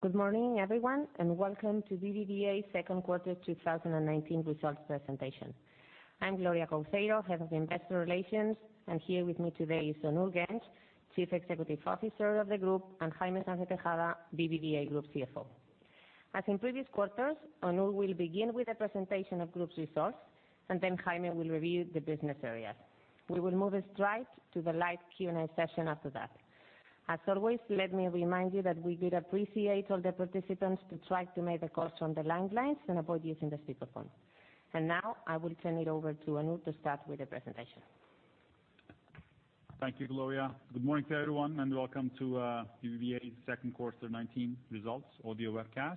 Good morning, everyone, and welcome to BBVA's Second Quarter 2019 Results Presentation. I'm Gloria Couceiro, head of Investor Relations, and here with me today is Onur Genç, Executive Officer of the group, and Jaime Sáenz de Tejada, BBVA Group CFO. As in previous quarters, Onur will begin with a presentation of group's results, and then Jaime will review the business areas. We will move straight to the live Q&A session after that. As always, let me remind you that we would appreciate all the participants to try to make the calls from the landlines and avoid using the speakerphone. Now, I will turn it over to Onur to start with the presentation. Thank you, Gloria. Good morning to everyone, and welcome to BBVA's Second Quarter 2019 Results Audio Webcast.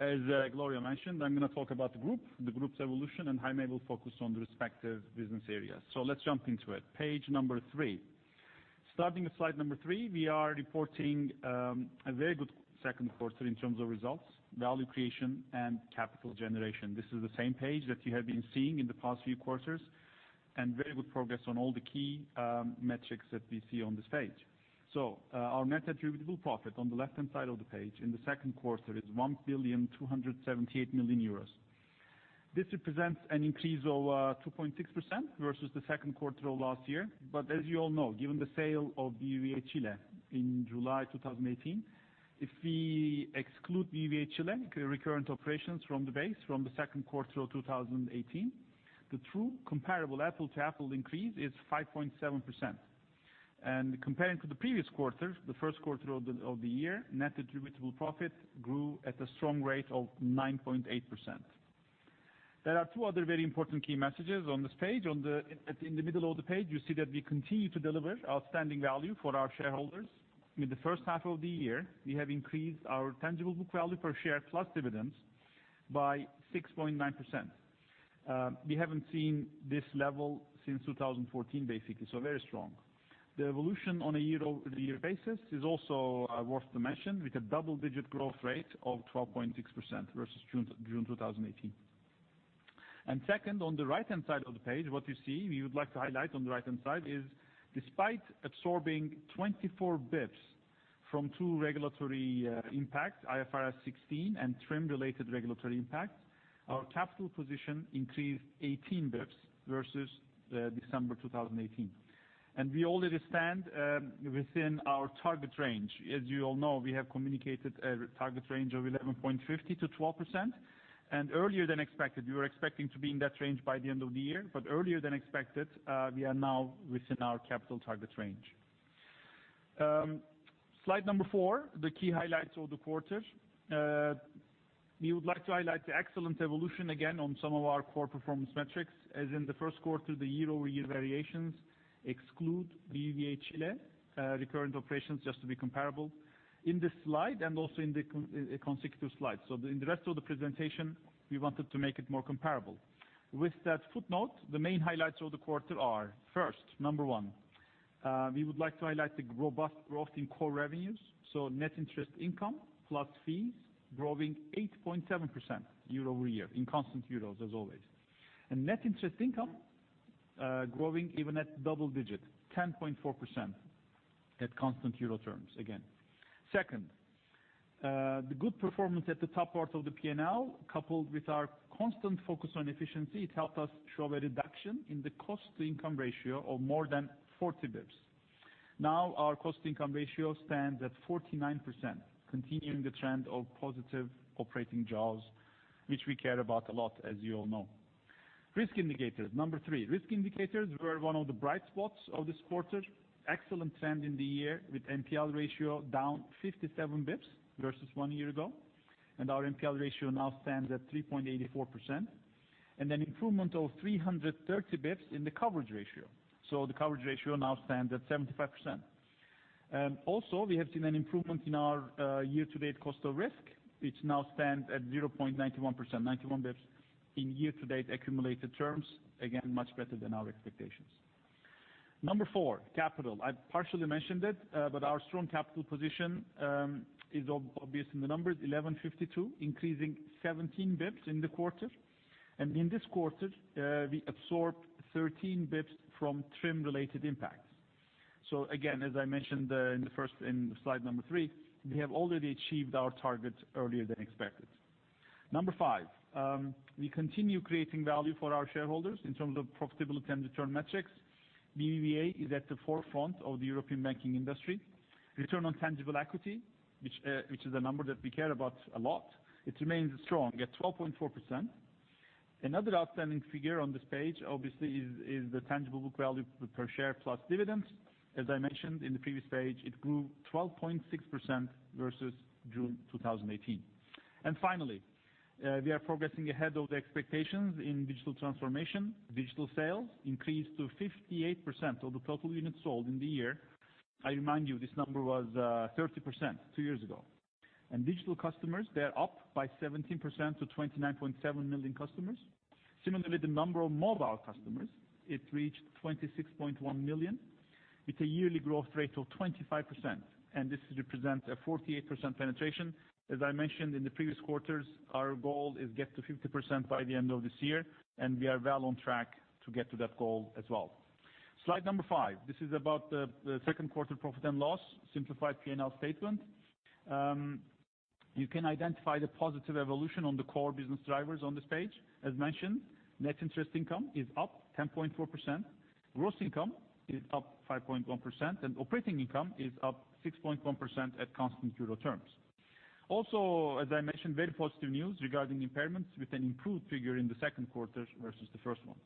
As Gloria mentioned, I'm going to talk about the group, the group's evolution, and Jaime will focus on the respective business areas. Let's jump into it. Page number three. Starting at slide number three, we are reporting a very good second quarter in terms of results, value creation, and capital generation. This is the same page that you have been seeing in the past few quarters, and very good progress on all the key metrics that we see on this page. Our net attributable profit on the left-hand side of the page in the second quarter is 1.278 million euros. This represents an increase of 2.6% versus the second quarter of last year. As you all know, given the sale of BBVA Chile in July 2018, if we exclude BBVA Chile recurrent operations from the base from the second quarter of 2018, the true comparable apple-to-apple increase is 5.7%. Comparing to the previous quarter, the first quarter of the year, net attributable profit grew at a strong rate of 9.8%. There are two other very important key messages on this page. In the middle of the page, you see that we continue to deliver outstanding value for our shareholders. In the first half of the year, we have increased our tangible book value per share plus dividends by 6.9%. We haven't seen this level since 2014. The evolution on a year-over-year basis is also worth the mention, with a double-digit growth rate of 12.6% versus June 2018. Second, on the right-hand side of the page, what you see, we would like to highlight on the right-hand side is despite absorbing 24 basis points from two regulatory impact, IFRS 16 and TRIM-related regulatory impacts, our capital position increased 18 basis points versus December 2018. We already stand within our target range. As you all know, we have communicated a target range of 11.50%-12%, and earlier than expected. We were expecting to be in that range by the end of the year, but earlier than expected, we are now within our capital target range. Slide number four, the key highlights of the quarter. We would like to highlight the excellent evolution again on some of our core performance metrics. As in the first quarter, the year-over-year variations exclude BBVA Chile recurrent operations just to be comparable in this slide and also in the consecutive slides. In the rest of the presentation, we wanted to make it more comparable. With that footnote, the main highlights of the quarter are, first, number one, we would like to highlight the robust growth in core revenues. Net interest income plus fees growing 8.7% year-over-year in constant euros as always. Net interest income growing even at double-digit, 10.4% at constant euro terms again. Second, the good performance at the top part of the P&L, coupled with our constant focus on efficiency, it helped us show a reduction in the cost-to-income ratio of more than 40 basis points. Now our cost-to-income ratio stands at 49%, continuing the trend of positive operating jaws, which we care about a lot, as you all know. Risk indicators, number three. Risk indicators were one of the bright spots of this quarter. Excellent trend in the year with NPL ratio down 57 basis points versus one year ago. Our NPL ratio now stands at 3.84%. An improvement of 330 basis points in the coverage ratio. The coverage ratio now stands at 75%. Also, we have seen an improvement in our year-to-date cost of risk, which now stands at 0.91%, 91 basis points in year-to-date accumulated terms. Again, much better than our expectations. Number four, capital. I partially mentioned it, but our strong capital position is obvious in the numbers, 11.52%, increasing 17 basis points in the quarter. In this quarter, we absorbed 13 basis points from TRIM-related impacts. Again, as I mentioned in slide number three, we have already achieved our target earlier than expected. Number five, we continue creating value for our shareholders in terms of profitability and return metrics. BBVA is at the forefront of the European banking industry. Return on tangible equity, which is a number that we care about a lot, it remains strong at 12.4%. Another outstanding figure on this page, obviously, is the tangible book value per share plus dividends. As I mentioned in the previous page, it grew 12.6% versus June 2018. Finally, we are progressing ahead of the expectations in digital transformation. Digital sales increased to 58% of the total units sold in the year. I remind you, this number was 30% two years ago. Digital customers, they're up by 17% to 29.7 million customers. Similarly, the number of mobile customers, it reached 26.1 million with a yearly growth rate of 25%, this represents a 48% penetration. As I mentioned in the previous quarters, our goal is get to 50% by the end of this year. We are well on track to get to that goal as well. Slide number five. This is about the second quarter profit and loss, simplified P&L statement. You can identify the positive evolution on the core business drivers on this page. As mentioned, net interest income is up 10.4%, gross income is up 5.1%, and operating income is up 6.1% at constant euro terms. As I mentioned, very positive news regarding impairments with an improved figure in the second quarter versus the first one.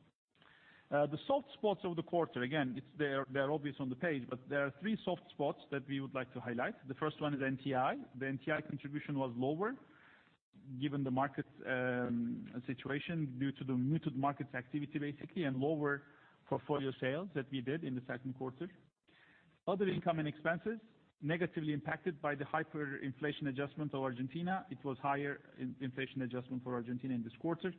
The soft spots of the quarter, again, they are obvious on the page. There are three soft spots that we would like to highlight. The first one is NTI. The NTI contribution was lower given the market situation due to the muted markets activity, basically, and lower portfolio sales that we did in the second quarter. Other income and expenses negatively impacted by the hyperinflation adjustment of Argentina. It was higher inflation adjustment for Argentina in this quarter.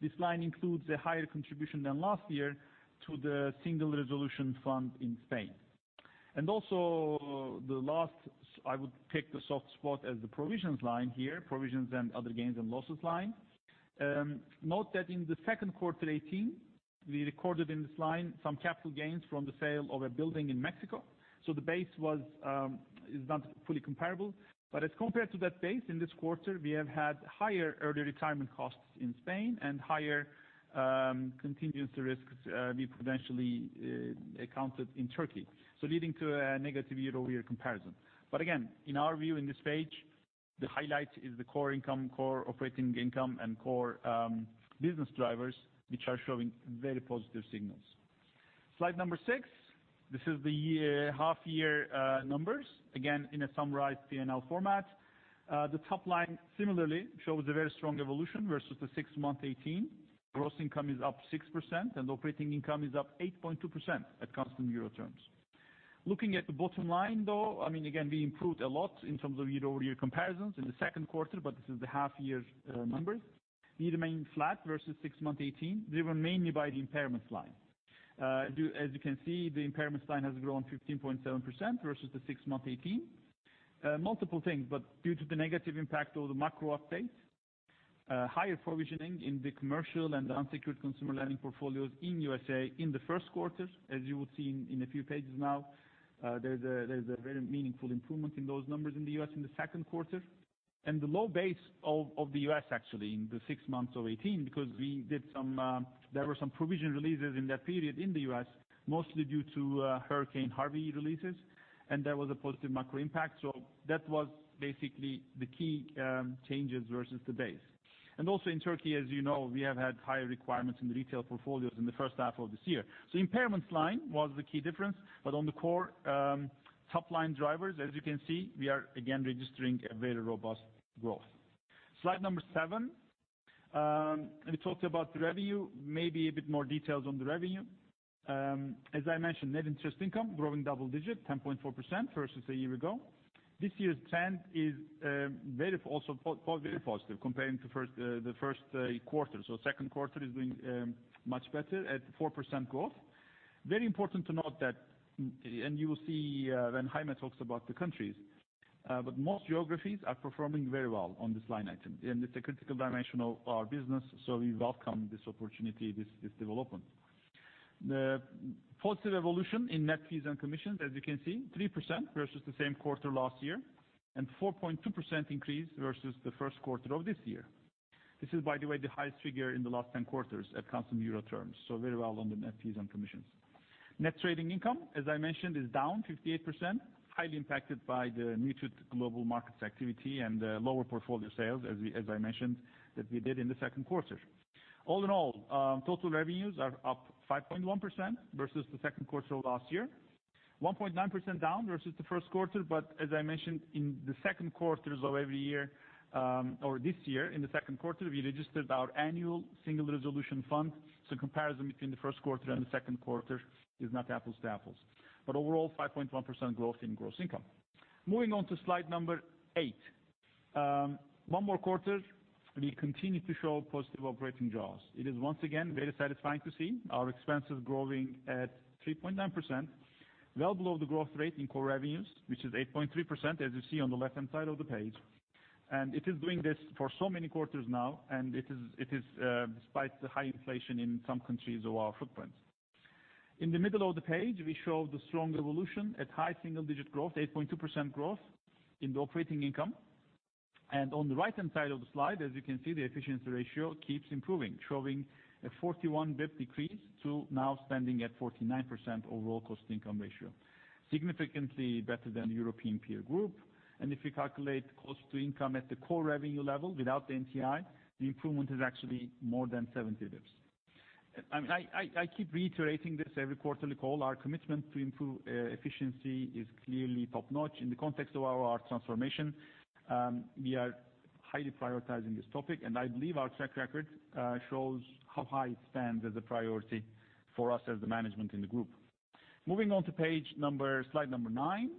This line includes a higher contribution than last year to the Single Resolution Fund in Spain. Also the last, I would pick the soft spot as the provisions line here, provisions and other gains and losses line. Note that in the second quarter 2018, we recorded in this line some capital gains from the sale of a building in Mexico, so the base is not fully comparable. As compared to that base in this quarter, we have had higher early retirement costs in Spain and higher contingency risks we potentially accounted in Turkey, so leading to a negative year-over-year comparison. Again, in our view, in this page, the highlight is the core income, core operating income, and core business drivers, which are showing very positive signals. Slide number six. This is the half-year numbers, again in a summarized P&L format. The top line similarly shows a very strong evolution versus the six-month 2018. Gross income is up 6% and operating income is up 8.2% at constant euro terms. Looking at the bottom line, though, again, we improved a lot in terms of year-over-year comparisons in the second quarter, but this is the half-year numbers. We remain flat versus six-month 2018, driven mainly by the impairment line. As you can see, the impairment line has grown 15.7% versus the six-month 2018. Due to the negative impact of the macro updates, higher provisioning in the commercial and unsecured consumer lending portfolios in the U.S. in the first quarter, as you will see in a few pages now, there's a very meaningful improvement in those numbers in the U.S. in the second quarter. The low base of the U.S., actually, in the six-month of 2018, because there were some provision releases in that period in the U.S., mostly due to Hurricane Harvey releases, and there was a positive macro impact. That was basically the key changes versus the base. Also in Turkey, as you know, we have had higher requirements in the retail portfolios in the first half of this year. Impairments line was the key difference, but on the core top-line drivers, as you can see, we are again registering a very robust growth. Slide number seven. Let me talk to you about the revenue, maybe a bit more details on the revenue. As I mentioned, net interest income growing double-digit, 10.4% versus a year ago. This year's trend is also very positive comparing to the first quarter. Second quarter is doing much better at 4% growth. Very important to note that, and you will see when Jaime talks about the countries, but most geographies are performing very well on this line item, and it's a critical dimension of our business, so we welcome this opportunity, this development. The positive evolution in net fees and commissions, as you can see, 3% versus the same quarter last year, and 4.2% increase versus the first quarter of this year. This is, by the way, the highest figure in the last 10 quarters at constant euro terms. Very well on the net fees and commissions. Net trading income, as I mentioned, is down 58%, highly impacted by the muted global markets activity and the lower portfolio sales as I mentioned that we did in the second quarter. All in all, total revenues are up 5.1% versus the second quarter of last year, 1.9% down versus the first quarter, as I mentioned in the second quarters of every year or this year, in the second quarter, we registered our annual Single Resolution Fund. Comparison between the first quarter and the second quarter is not apples to apples. Overall, 5.1% growth in gross income. Moving on to slide number eight. One more quarter, we continue to show positive operating jaws. It is once again very satisfying to see our expenses growing at 3.9%, well below the growth rate in core revenues, which is 8.3% as you see on the left-hand side of the page. It is doing this for so many quarters now, and it is despite the high inflation in some countries of our footprint. In the middle of the page, we show the strong evolution at high single digit growth, 8.2% growth in the operating income. On the right-hand side of the slide, as you can see, the efficiency ratio keeps improving, showing a 41 basis point decrease to now standing at 49% overall cost income ratio. Significantly better than the European peer group, and if you calculate cost to income at the core revenue level without the NTI, the improvement is actually more than 70 basis points. I keep reiterating this every quarterly call. Our commitment to improve efficiency is clearly top-notch. In the context of our transformation, we are highly prioritizing this topic, and I believe our track record shows how high it stands as a priority for us as the management in the group. Moving on to slide number nine,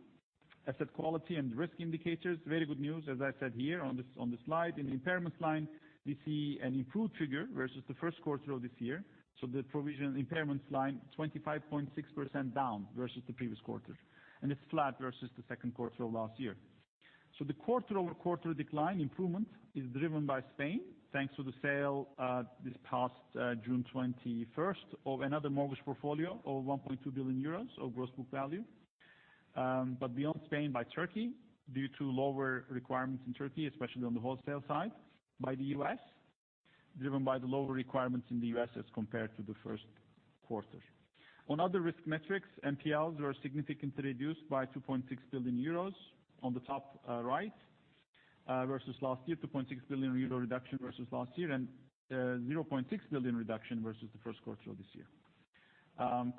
asset quality and risk indicators. Very good news, as I said here on the slide. In the impairments line, we see an improved figure versus the first quarter of this year. The provision impairments line 25.6% down versus the previous quarter, and it's flat versus the second quarter of last year. The quarter-over-quarter decline improvement is driven by Spain, thanks to the sale this past June 21st of another mortgage portfolio of 1.2 billion euros of gross book value. Beyond Spain, by Turkey, due to lower requirements in Turkey, especially on the wholesale side, by the U.S., driven by the lower requirements in the U.S. as compared to the first quarter. On other risk metrics, NPLs were significantly reduced by 2.6 billion euros on the top right versus last year, 2.6 billion euro reduction versus last year, and 0.6 billion reduction versus the first quarter of this year.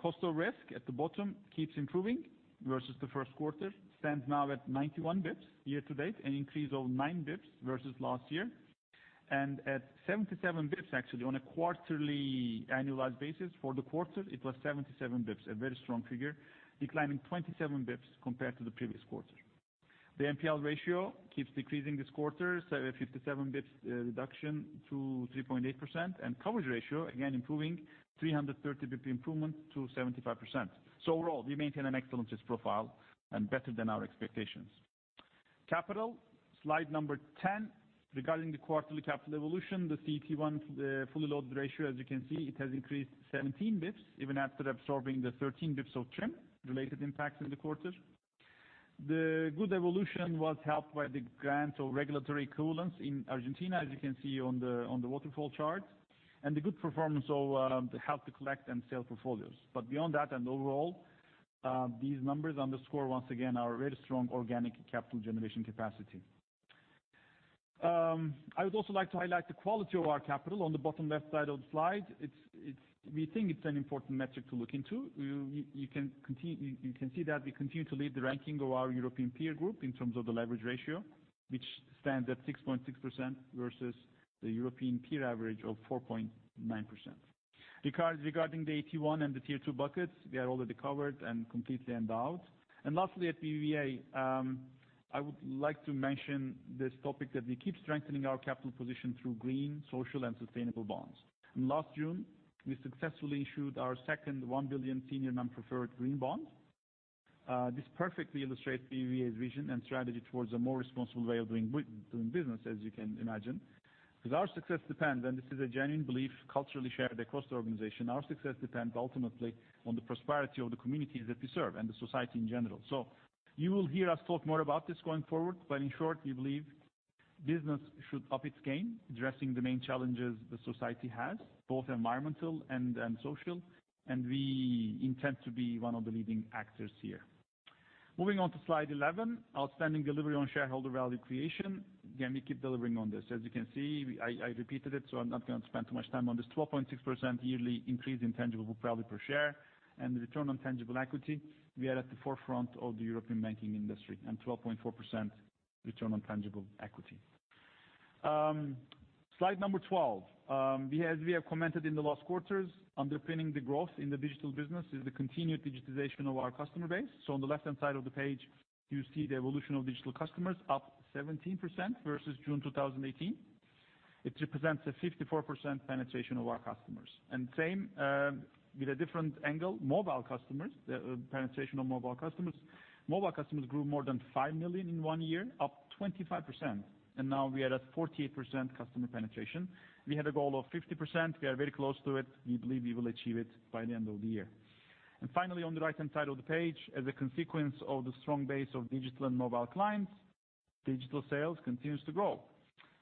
Cost of risk at the bottom keeps improving versus the first quarter. Stands now at 91 basis points year to date, an increase of 9 basis points versus last year, and at 77 basis points actually on a quarterly annualized basis for the quarter, it was 77 basis points, a very strong figure, declining 27 basis points compared to the previous quarter. The NPL ratio keeps decreasing this quarter, so 57 basis points reduction to 3.8%, and coverage ratio again improving 330 basis points improvement to 75%. Overall, we maintain an excellent risk profile and better than our expectations. Capital, slide 10. Regarding the quarterly capital evolution, the CET1, the fully loaded ratio, as you can see, it has increased 17 basis points even after absorbing the 13 basis points of TRIM related impacts in the quarter. The good evolution was helped by the grant of regulatory capital in Argentina, as you can see on the waterfall chart, and the good performance of the held-to-collect and sell portfolios. Beyond that and overall, these numbers underscore once again our very strong organic capital generation capacity. I would also like to highlight the quality of our capital on the bottom left side of the slide. We think it's an important metric to look into. You can see that we continue to lead the ranking of our European peer group in terms of the leverage ratio, which stands at 6.6% versus the European peer average of 4.9%. Regarding the AT1 and the Tier 2 buckets, they are already covered and completely endowed. Lastly, at BBVA, I would like to mention this topic that we keep strengthening our capital position through green, social, and sustainable bonds. In last June, we successfully issued our second $1 billion senior non-preferred green bond. This perfectly illustrates BBVA's vision and strategy towards a more responsible way of doing business, as you can imagine, because our success depends, and this is a genuine belief culturally shared across the organization, our success depends ultimately on the prosperity of the communities that we serve and the society in general. You will hear us talk more about this going forward, but in short, we believe business should up its game, addressing the main challenges the society has, both environmental and social, and we intend to be one of the leading actors here. Moving on to slide 11, outstanding delivery on shareholder value creation. Again, we keep delivering on this. As you can see, I repeated it, so I am not going to spend too much time on this. 12.6% yearly increase in tangible profit per share and the return on tangible equity, we are at the forefront of the European banking industry, and 12.4% return on tangible equity. Slide number 12. We have commented in the last quarters underpinning the growth in the digital business is the continued digitization of our customer base. On the left-hand side of the page, you see the evolution of digital customers up 17% versus June 2018. It represents a 54% penetration of our customers. Same with a different angle, mobile customers, penetration of mobile customers. Mobile customers grew more than five million in one year, up 25%. Now we are at 48% customer penetration. We had a goal of 50%. We are very close to it. We believe we will achieve it by the end of the year. Finally, on the right-hand side of the page, as a consequence of the strong base of digital and mobile clients, digital sales continues to grow.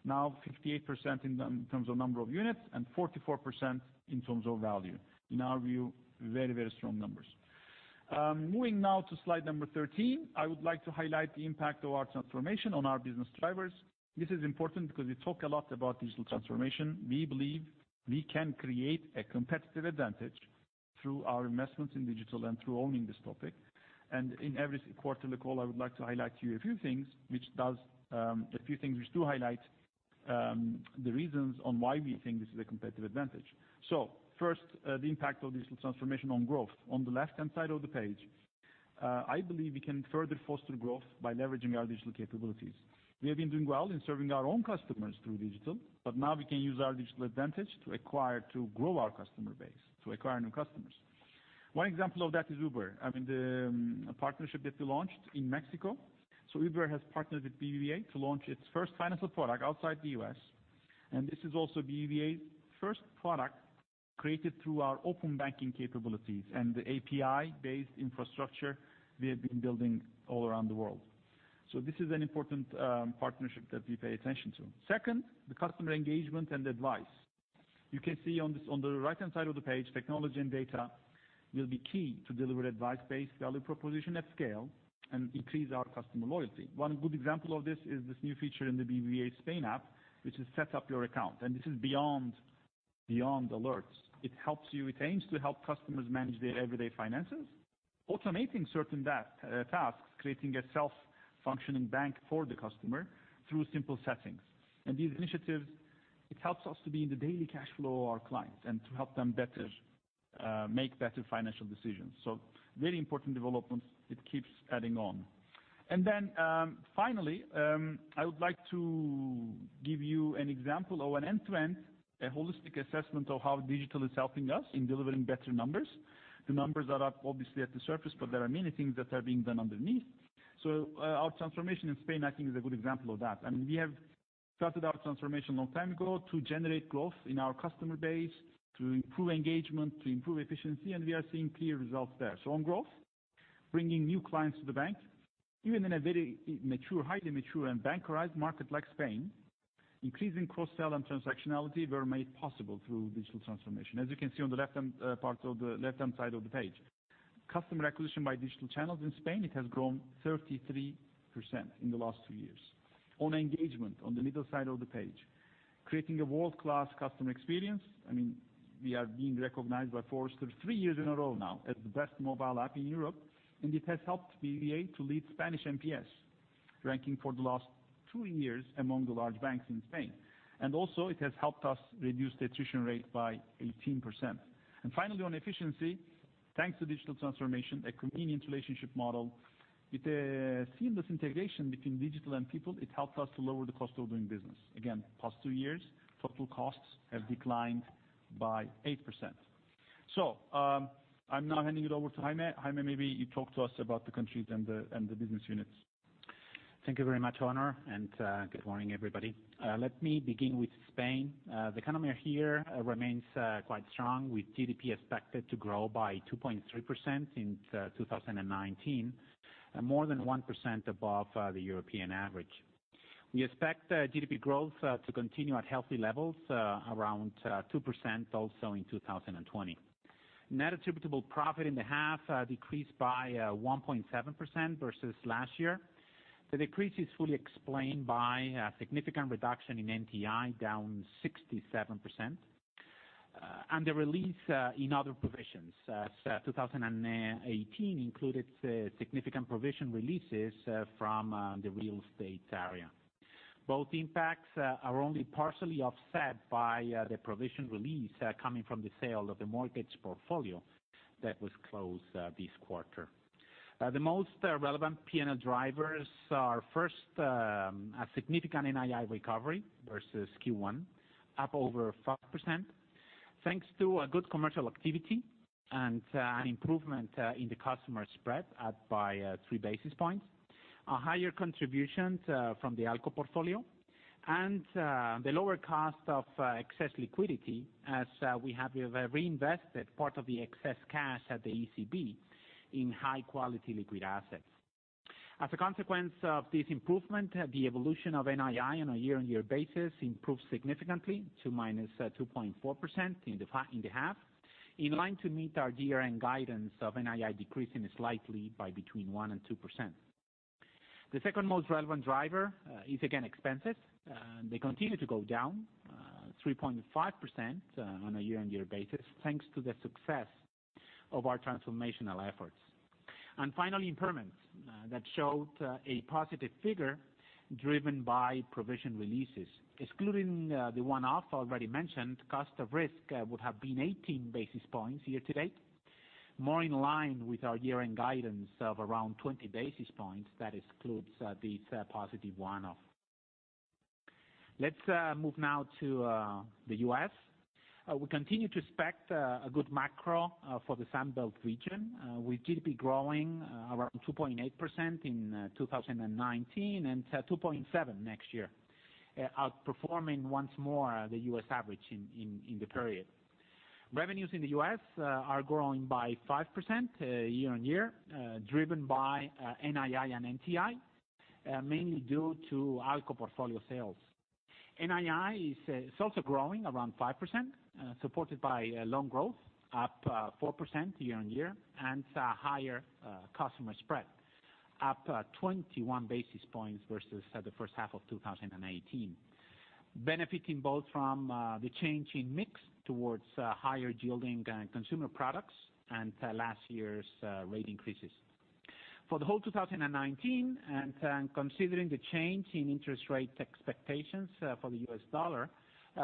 Now 58% in terms of number of units and 44% in terms of value. In our view, very, very strong numbers. Moving now to slide number 13, I would like to highlight the impact of our transformation on our business drivers. This is important because we talk a lot about digital transformation. We believe we can create a competitive advantage through our investments in digital and through owning this topic. In every quarterly call, I would like to highlight to you a few things which do highlight the reasons on why we think this is a competitive advantage. First, the impact of digital transformation on growth. On the left-hand side of the page, I believe we can further foster growth by leveraging our digital capabilities. We have been doing well in serving our own customers through digital, but now we can use our digital advantage to acquire, to grow our customer base, to acquire new customers. One example of that is Uber, I mean the partnership that we launched in Mexico. Uber has partnered with BBVA to launch its first financial product outside the U.S., and this is also BBVA's first product created through our open banking capabilities and the API-based infrastructure we have been building all around the world. This is an important partnership that we pay attention to. Second, the customer engagement and advice. You can see on the right-hand side of the page, technology and data will be key to deliver advice-based value proposition at scale and increase our customer loyalty. One good example of this is this new feature in the BBVA Spain app, which is set up your account, and this is beyond alerts. It aims to help customers manage their everyday finances, automating certain tasks, creating a self-functioning bank for the customer through simple settings. These initiatives, it helps us to be in the daily cash flow of our clients and to help them make better financial decisions. Very important developments it keeps adding on. Finally, I would like to give you an example of an end-to-end, a holistic assessment of how digital is helping us in delivering better numbers. The numbers are up, obviously, at the surface, but there are many things that are being done underneath. Our transformation in Spain, I think, is a good example of that. We have started our transformation a long time ago to generate growth in our customer base, to improve engagement, to improve efficiency, and we are seeing clear results there. On growth, bringing new clients to the bank, even in a very mature, highly mature, and bankarized market like Spain, increasing cross-sell and transactionality were made possible through digital transformation. As you can see on the left-hand parts of the left-hand side of the page. Customer acquisition by digital channels in Spain, it has grown 33% in the last two years. On engagement, on the middle side of the page, creating a world-class customer experience, we are being recognized by Forrester three years in a row now as the best mobile app in Europe, it has helped BBVA to lead Spanish NPS, ranking for the last two years among the large banks in Spain. Also it has helped us reduce the attrition rate by 18%. Finally, on efficiency, thanks to digital transformation, a convenient relationship model with a seamless integration between digital and people, it helped us to lower the cost of doing business. Again, the past two years, total costs have declined by 8%. I'm now handing it over to Jaime. Jaime, maybe you talk to us about the countries and the business units. Thank you very much, Onur, good morning, everybody. Let me begin with Spain. The economy here remains quite strong, with GDP expected to grow by 2.3% in 2019, more than 1% above the European average. We expect GDP growth to continue at healthy levels, around 2% also in 2020. Net attributable profit in the half decreased by 1.7% versus last year. The decrease is fully explained by a significant reduction in NTI, down 67%, and the release in other provisions, as 2018 included significant provision releases from the real estate area. Both impacts are only partially offset by the provision release coming from the sale of the mortgage portfolio that was closed this quarter. The most relevant P&L drivers are, first, a significant NII recovery versus Q1, up over 5%, thanks to a good commercial activity and an improvement in the customer spread up by 3 basis points, higher contributions from the ALCO portfolio, and the lower cost of excess liquidity as we have reinvested part of the excess cash at the ECB in high-quality liquid assets. As a consequence of this improvement, the evolution of NII on a year-on-year basis improved significantly to -2.4% in the half, in line to meet our year-end guidance of NII decreasing slightly by between 1% and 2%. The second most relevant driver is, again, expenses. They continue to go down 3.5% on a year-on-year basis, thanks to the success of our transformational efforts. Finally, impairments that showed a positive figure driven by provision releases. Excluding the one-off already mentioned, cost of risk would have been 18 basis points year to date, more in line with our year-end guidance of around 20 basis points. That excludes this positive one-off. Let's move now to the U.S. We continue to expect a good macro for the Sun Belt region, with GDP growing around 2.8% in 2019 and 2.7% next year, outperforming once more the U.S. average in the period. Revenues in the U.S. are growing by 5% year-on-year, driven by NII and NTI, mainly due to ALCO portfolio sales. NII is also growing around 5%, supported by loan growth up 4% year-on-year, and higher customer spread up 21 basis points versus the first half of 2018, benefiting both from the change in mix towards higher yielding consumer products and last year's rate increases. For the whole 2019 and considering the change in interest rate expectations for the U.S. dollar,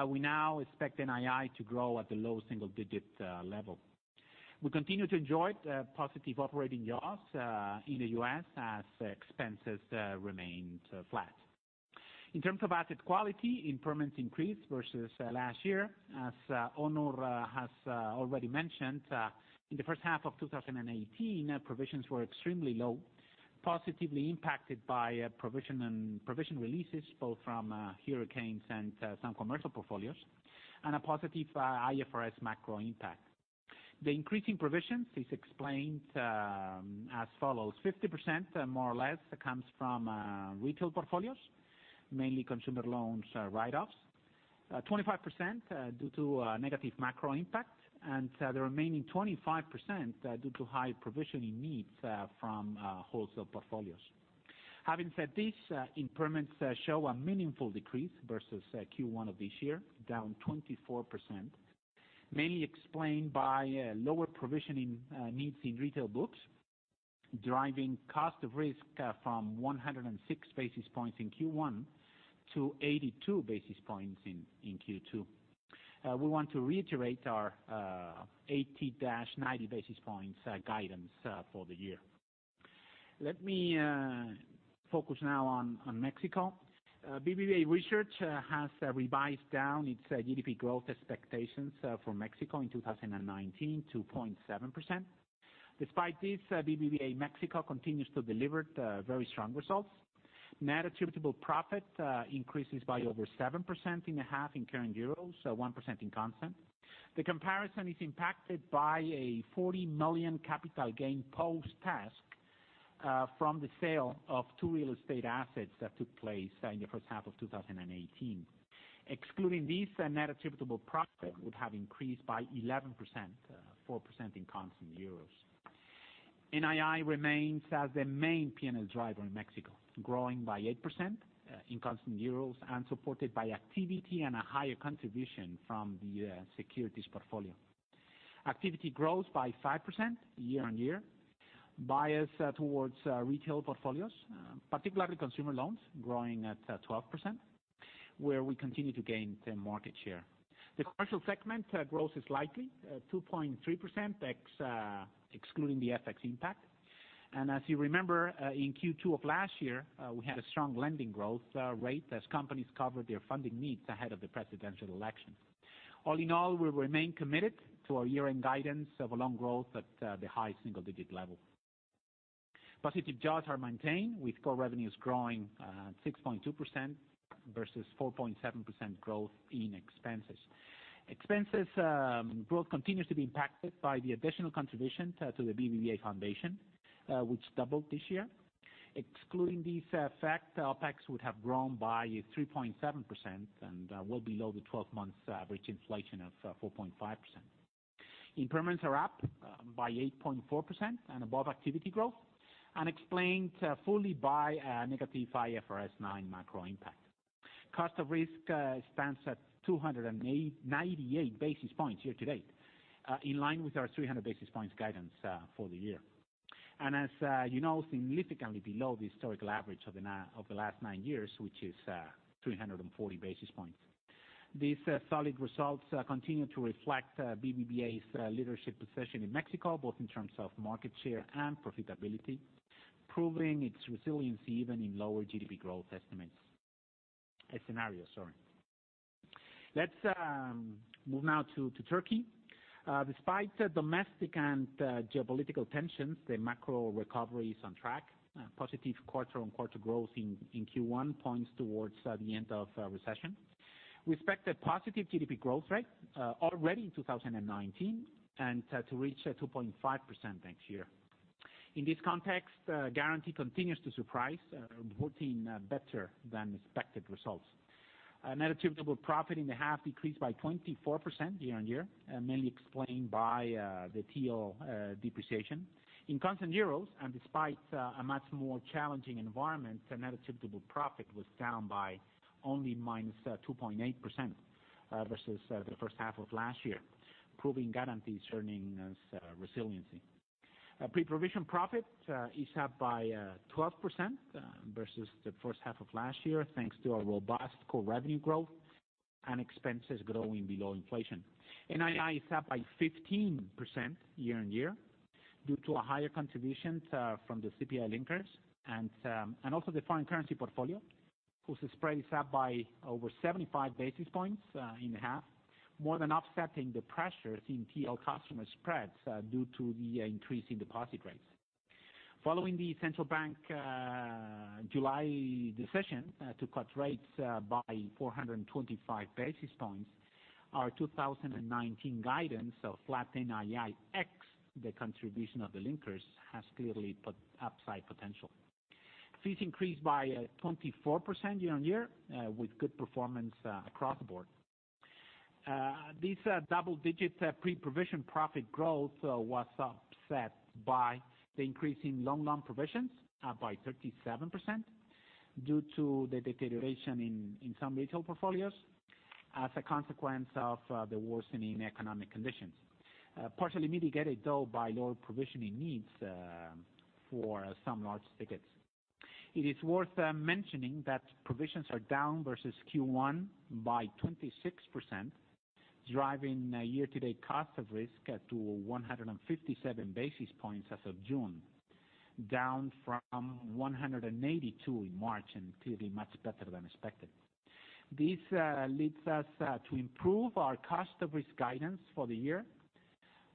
we now expect NII to grow at the low single-digit level. We continue to enjoy positive operating jaws in the U.S. as expenses remained flat. In terms of asset quality, impairments increased versus last year. As Onur has already mentioned, in the first half of 2018, provisions were extremely low, positively impacted by provision releases, both from hurricanes and some commercial portfolios, and a positive IFRS macro impact. The increasing provisions is explained as follows: 50%, more or less, comes from retail portfolios, mainly consumer loans write-offs, 25% due to negative macro impact, and the remaining 25% due to high provisioning needs from wholesale portfolios. Having said this, impairments show a meaningful decrease versus Q1 of this year, down 24%, mainly explained by lower provisioning needs in retail books, driving cost of risk from 106 basis points in Q1 to 82 basis points in Q2. We want to reiterate our 80-90 basis points guidance for the year. Let me focus now on Mexico. BBVA Research has revised down its GDP growth expectations for Mexico in 2019 to 2.7%. Despite this, BBVA Mexico continues to deliver very strong results. Net attributable profit increases by over 7% in a half in current euro, 1% in constant EUR. The comparison is impacted by a 40 million capital gain post-tax from the sale of two real estate assets that took place in the first half of 2018. Excluding this, net attributable profit would have increased by 11%, 4% in constant euros. NII remains as the main P&L driver in Mexico, growing by 8% in constant euro and supported by activity and a higher contribution from the securities portfolio. Activity grows by 5% year-on-year, biased towards retail portfolios, particularly consumer loans, growing at 12%, where we continue to gain market share. The commercial segment growth is likely 2.3% excluding the FX impact. As you remember, in Q2 of last year, we had a strong lending growth rate as companies covered their funding needs ahead of the presidential election. All in all, we remain committed to our year-end guidance of a loan growth at the high single-digit level. Positive jaws are maintained, with core revenues growing at 6.2% versus 4.7% growth in expenses. Expenses growth continues to be impacted by the additional contribution to the BBVA Foundation, which doubled this year. Excluding this effect, OpEx would have grown by 3.7% well below the 12 months average inflation of 4.5%. Impairments are up by 8.4% and above activity growth and explained fully by a negative IFRS 9 macro impact. Cost of risk stands at 298 basis points year to date, in line with our 300 basis points guidance for the year. As you know, significantly below the historical average of the last nine years, which is 340 basis points. These solid results continue to reflect BBVA's leadership position in Mexico, both in terms of market share and profitability, proving its resiliency even in lower GDP growth estimates scenario, sorry. Let's move now to Turkey. Despite domestic and geopolitical tensions, the macro recovery is on track. Positive quarter-on-quarter growth in Q1 points towards the end of recession. We expect a positive GDP growth rate already in 2019 and to reach 2.5% next year. In this context, Garanti continues to surprise, reporting better-than-expected results. Net attributable profit in the half decreased by 24% year-on-year, mainly explained by the TL depreciation. In constant euro, and despite a much more challenging environment, net attributable profit was down by only -2.8% versus the first half of last year, proving Garanti's earnings resiliency. Pre-provision profit is up by 12% versus the first half of last year, thanks to a robust core revenue growth and expenses growing below inflation. NII is up by 15% year-on-year due to higher contributions from the CPI linkers and also the foreign currency portfolio, whose spread is up by over 75 basis points in half, more than offsetting the pressures in TL customer spreads due to the increase in deposit rates. Following the Central Bank July decision to cut rates by 425 basis points, our 2019 guidance of flat NII ex the contribution of the linkers has clearly put upside potential. Fees increased by 24% year-on-year, with good performance across the board. This double-digit pre-provision profit growth was offset by the increase in loan loss provisions up by 37% due to the deterioration in some retail portfolios as a consequence of the worsening economic conditions, partially mitigated, though, by lower provisioning needs for some large tickets. It is worth mentioning that provisions are down versus Q1 by 26%, driving year-to-date cost of risk to 157 basis points as of June, down from 182 in March, and clearly much better than expected. This leads us to improve our cost of risk guidance for the year.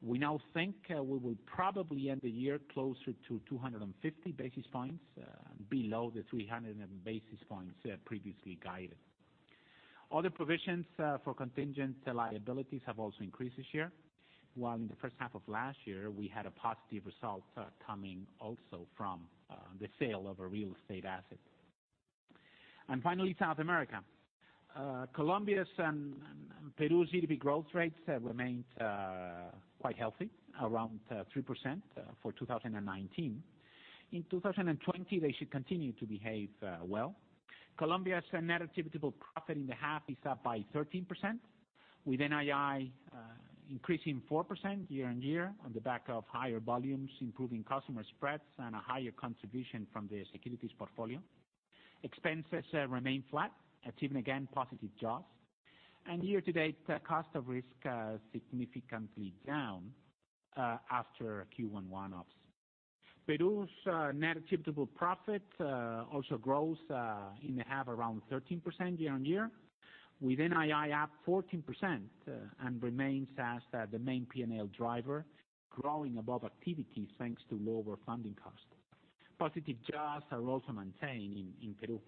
We now think we will probably end the year closer to 250 basis points below the 300 basis points previously guided. Other provisions for contingent liabilities have also increased this year, while in the first half of last year, we had a positive result coming also from the sale of a real estate asset. Finally, South America. Colombia's and Peru's GDP growth rates remained quite healthy, around 3% for 2019. In 2020, they should continue to behave well. Colombia's net attributable profit in the half is up by 13%, with NII increasing 4% year-on-year on the back of higher volumes, improving customer spreads, and a higher contribution from the securities portfolio. Expenses remain flat, achieving again positive jaws. Year-to-date, cost of risk significantly down after Q1 one-offs. Peru's net attributable profit also grows in half around 13% year-on-year, with NII up 14% and remains as the main P&L driver, growing above activities, thanks to lower funding costs. Positive jaws are also maintained in Peru.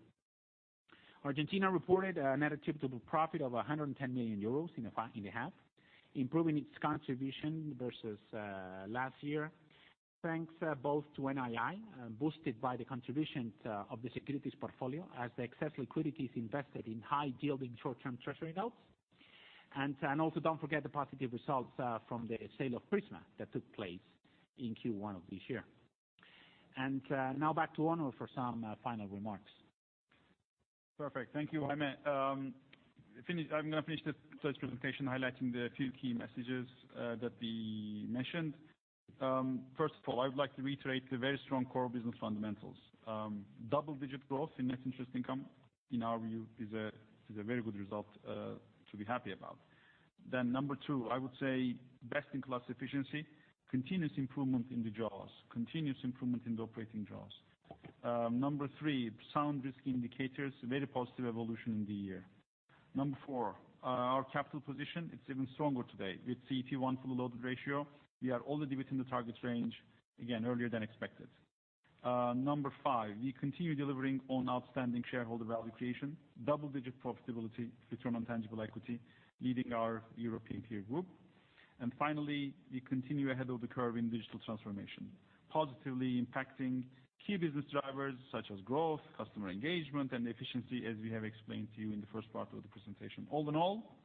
Argentina reported a net attributable profit of 110 million euros in a half, improving its contribution versus last year, thanks both to NII, boosted by the contributions of the securities portfolio as the excess liquidity is invested in high yielding short-term treasury notes. Also don't forget the positive results from the sale of Prisma that took place in Q1 of this year. Now back to Onur for some final remarks. Perfect. Thank you, Jaime. I'm going to finish this presentation highlighting the few key messages that we mentioned. First of all, I would like to reiterate the very strong core business fundamentals. Double-digit growth in net interest income, in our view, is a very good result to be happy about. Number two, I would say best-in-class efficiency, continuous improvement in the jaws, continuous improvement in the operating jaws. Number three, sound risk indicators, very positive evolution in the year. Number four, our capital position, it's even stronger today. With CET1 fully loaded ratio, we are already within the targets range, again, earlier than expected. Number five, we continue delivering on outstanding shareholder value creation, double-digit profitability return on tangible equity, leading our European peer group. Finally, we continue ahead of the curve in digital transformation, positively impacting key business drivers such as growth, customer engagement, and efficiency, as we have explained to you in the first part of the presentation. All in all,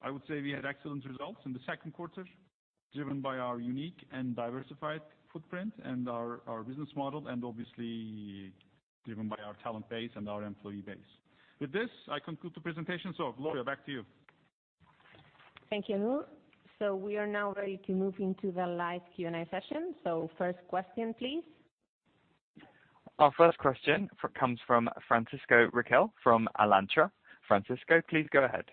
I would say we had excellent results in the second quarter, driven by our unique and diversified footprint and our business model, and obviously driven by our talent base and our employee base. With this, I conclude the presentation. Gloria, back to you. Thank you, Onur. We are now ready to move into the live Q&A session. First question, please. Our first question comes from Francisco Riquel from Alantra. Francisco, please go ahead.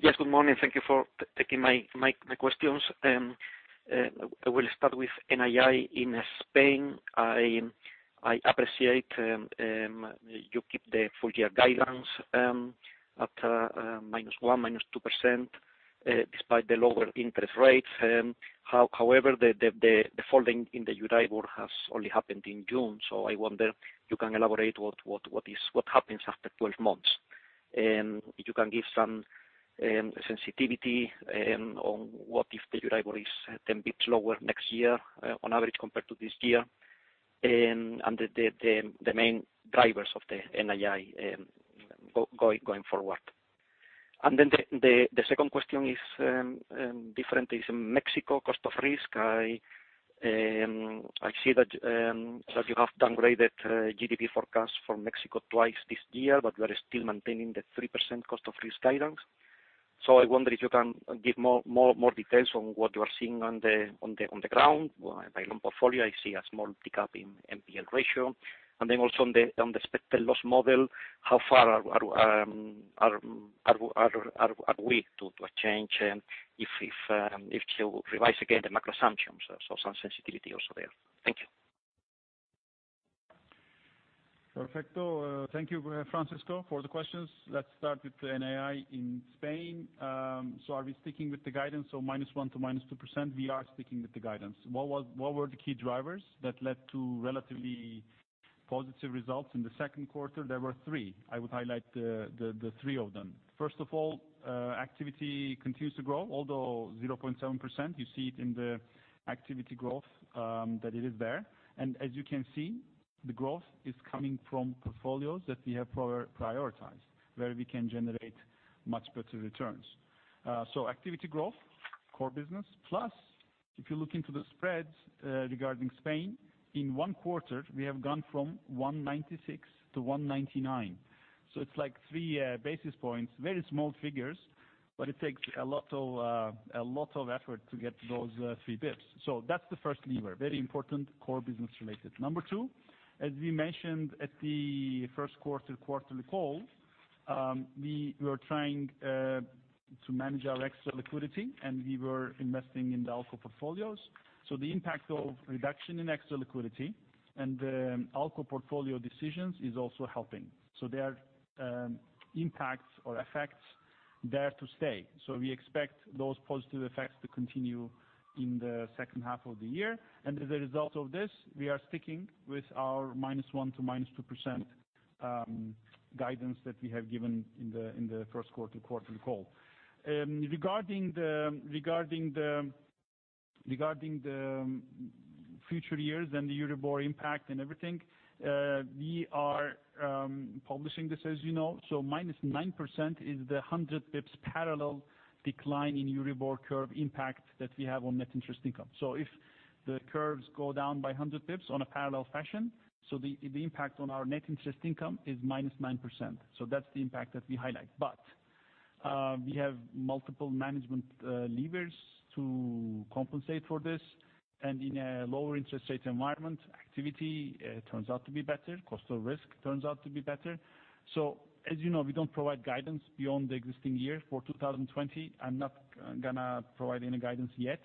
Yes, good morning. Thank you for taking my questions. I will start with NII in Spain. I appreciate you keep the full-year guidance at -1%, -2% despite the lower interest rates. However, the folding in the Euribor has only happened in June. I wonder, you can elaborate what happens after 12 months. You can give some sensitivity on what if the Euribor is 10 basis points lower next year on average compared to this year, and the main drivers of the NII going forward. The second question is different, is in Mexico cost of risk. I see that you have downgraded GDP forecast for Mexico twice this year, but you are still maintaining the 3% cost of risk guidance. I wonder if you can give more details on what you are seeing on the ground. By loan portfolio, I see a small pickup in NPL ratio. Also on the expected loss model, how far are we to a change if you revise again the macro assumptions? Some sensitivity also there. Thank you. Perfecto. Thank you, Francisco, for the questions. Let's start with NII in Spain. Are we sticking with the guidance of -1% to -2%? We are sticking with the guidance. What were the key drivers that led to relatively positive results in the second quarter? There were three. I would highlight the three of them. First of all, activity continues to grow, although 0.7%, you see it in the activity growth, that it is there. As you can see, the growth is coming from portfolios that we have prioritized, where we can generate much better returns. Activity growth, core business. Plus, if you look into the spreads regarding Spain, in one quarter, we have gone from 196-199. It's like 3 basis points, very small figures, but it takes a lot of effort to get those 3 basis points. That's the first lever, very important, core business related. Number two, as we mentioned at the first quarter quarterly call, we were trying to manage our extra liquidity, and we were investing in the ALCO portfolios. The impact of reduction in extra liquidity and the ALCO portfolio decisions is also helping. There are impacts or effects there to stay. We expect those positive effects to continue in the second half of the year. As a result of this, we are sticking with our -1% to -2% guidance that we have given in the first quarter quarterly call. Regarding the future years and the Euribor impact and everything, we are publishing this as you know. -9% is the 100 basis points parallel decline in Euribor curve impact that we have on net interest income. If the curves go down by 100 basis points on a parallel fashion, the impact on our net interest income is -9%. That's the impact that we highlight. We have multiple management levers to compensate for this. In a lower interest rate environment, activity turns out to be better, cost of risk turns out to be better. As you know, we don't provide guidance beyond the existing year for 2020. I'm not going to provide any guidance yet,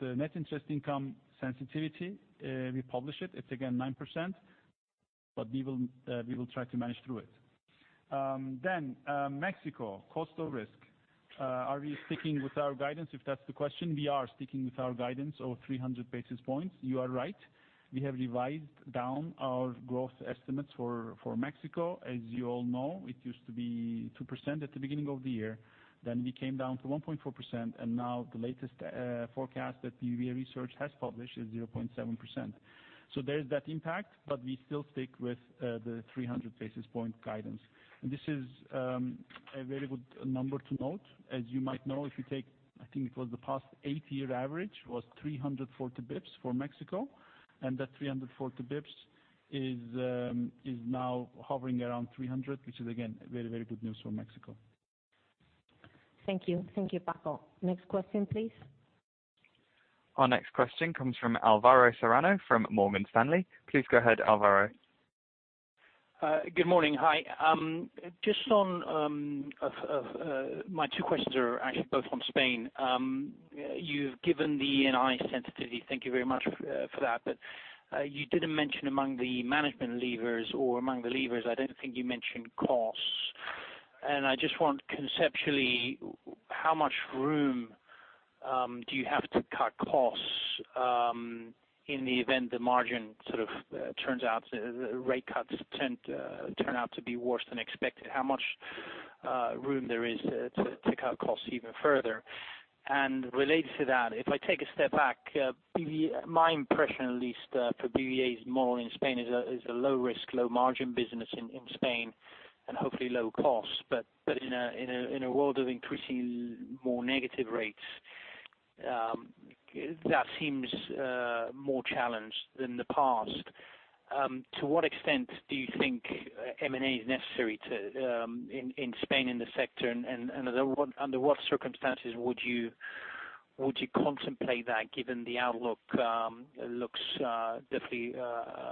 net interest income sensitivity, we publish it. It's again 9%, we will try to manage through it. Mexico cost of risk. Are we sticking with our guidance? If that's the question, we are sticking with our guidance of 300 basis points. You are right, we have revised down our growth estimates for Mexico. As you all know, it used to be 2% at the beginning of the year. We came down to 1.4%, and now the latest forecast that BBVA Research has published is 0.7%. There's that impact, but we still stick with the 300 basis point guidance. This is a very good number to note. As you might know, if you take, I think it was the past eight-year average was 340 basis points for Mexico, and that 340 basis points is now hovering around 300, which is again, very, very good news for Mexico. Thank you. Thank you, Paco. Next question, please. Our next question comes from Alvaro Serrano from Morgan Stanley. Please go ahead, Alvaro. Good morning. Hi. My two questions are actually both from Spain. You've given the NII sensitivity. Thank you very much for that. You didn't mention among the management levers or among the levers, I don't think you mentioned costs. I just want conceptually, how much room do you have to cut costs in the event the margin turns out, rate cuts turn out to be worse than expected? How much room there is to cut costs even further? Related to that, if I take a step back, my impression, at least for BBVA's model in Spain, is a low risk, low margin business in Spain and hopefully low cost. In a world of increasing more negative rates, that seems more challenged than the past. To what extent do you think M&A is necessary in Spain in the sector, and under what circumstances would you contemplate that given the outlook looks definitely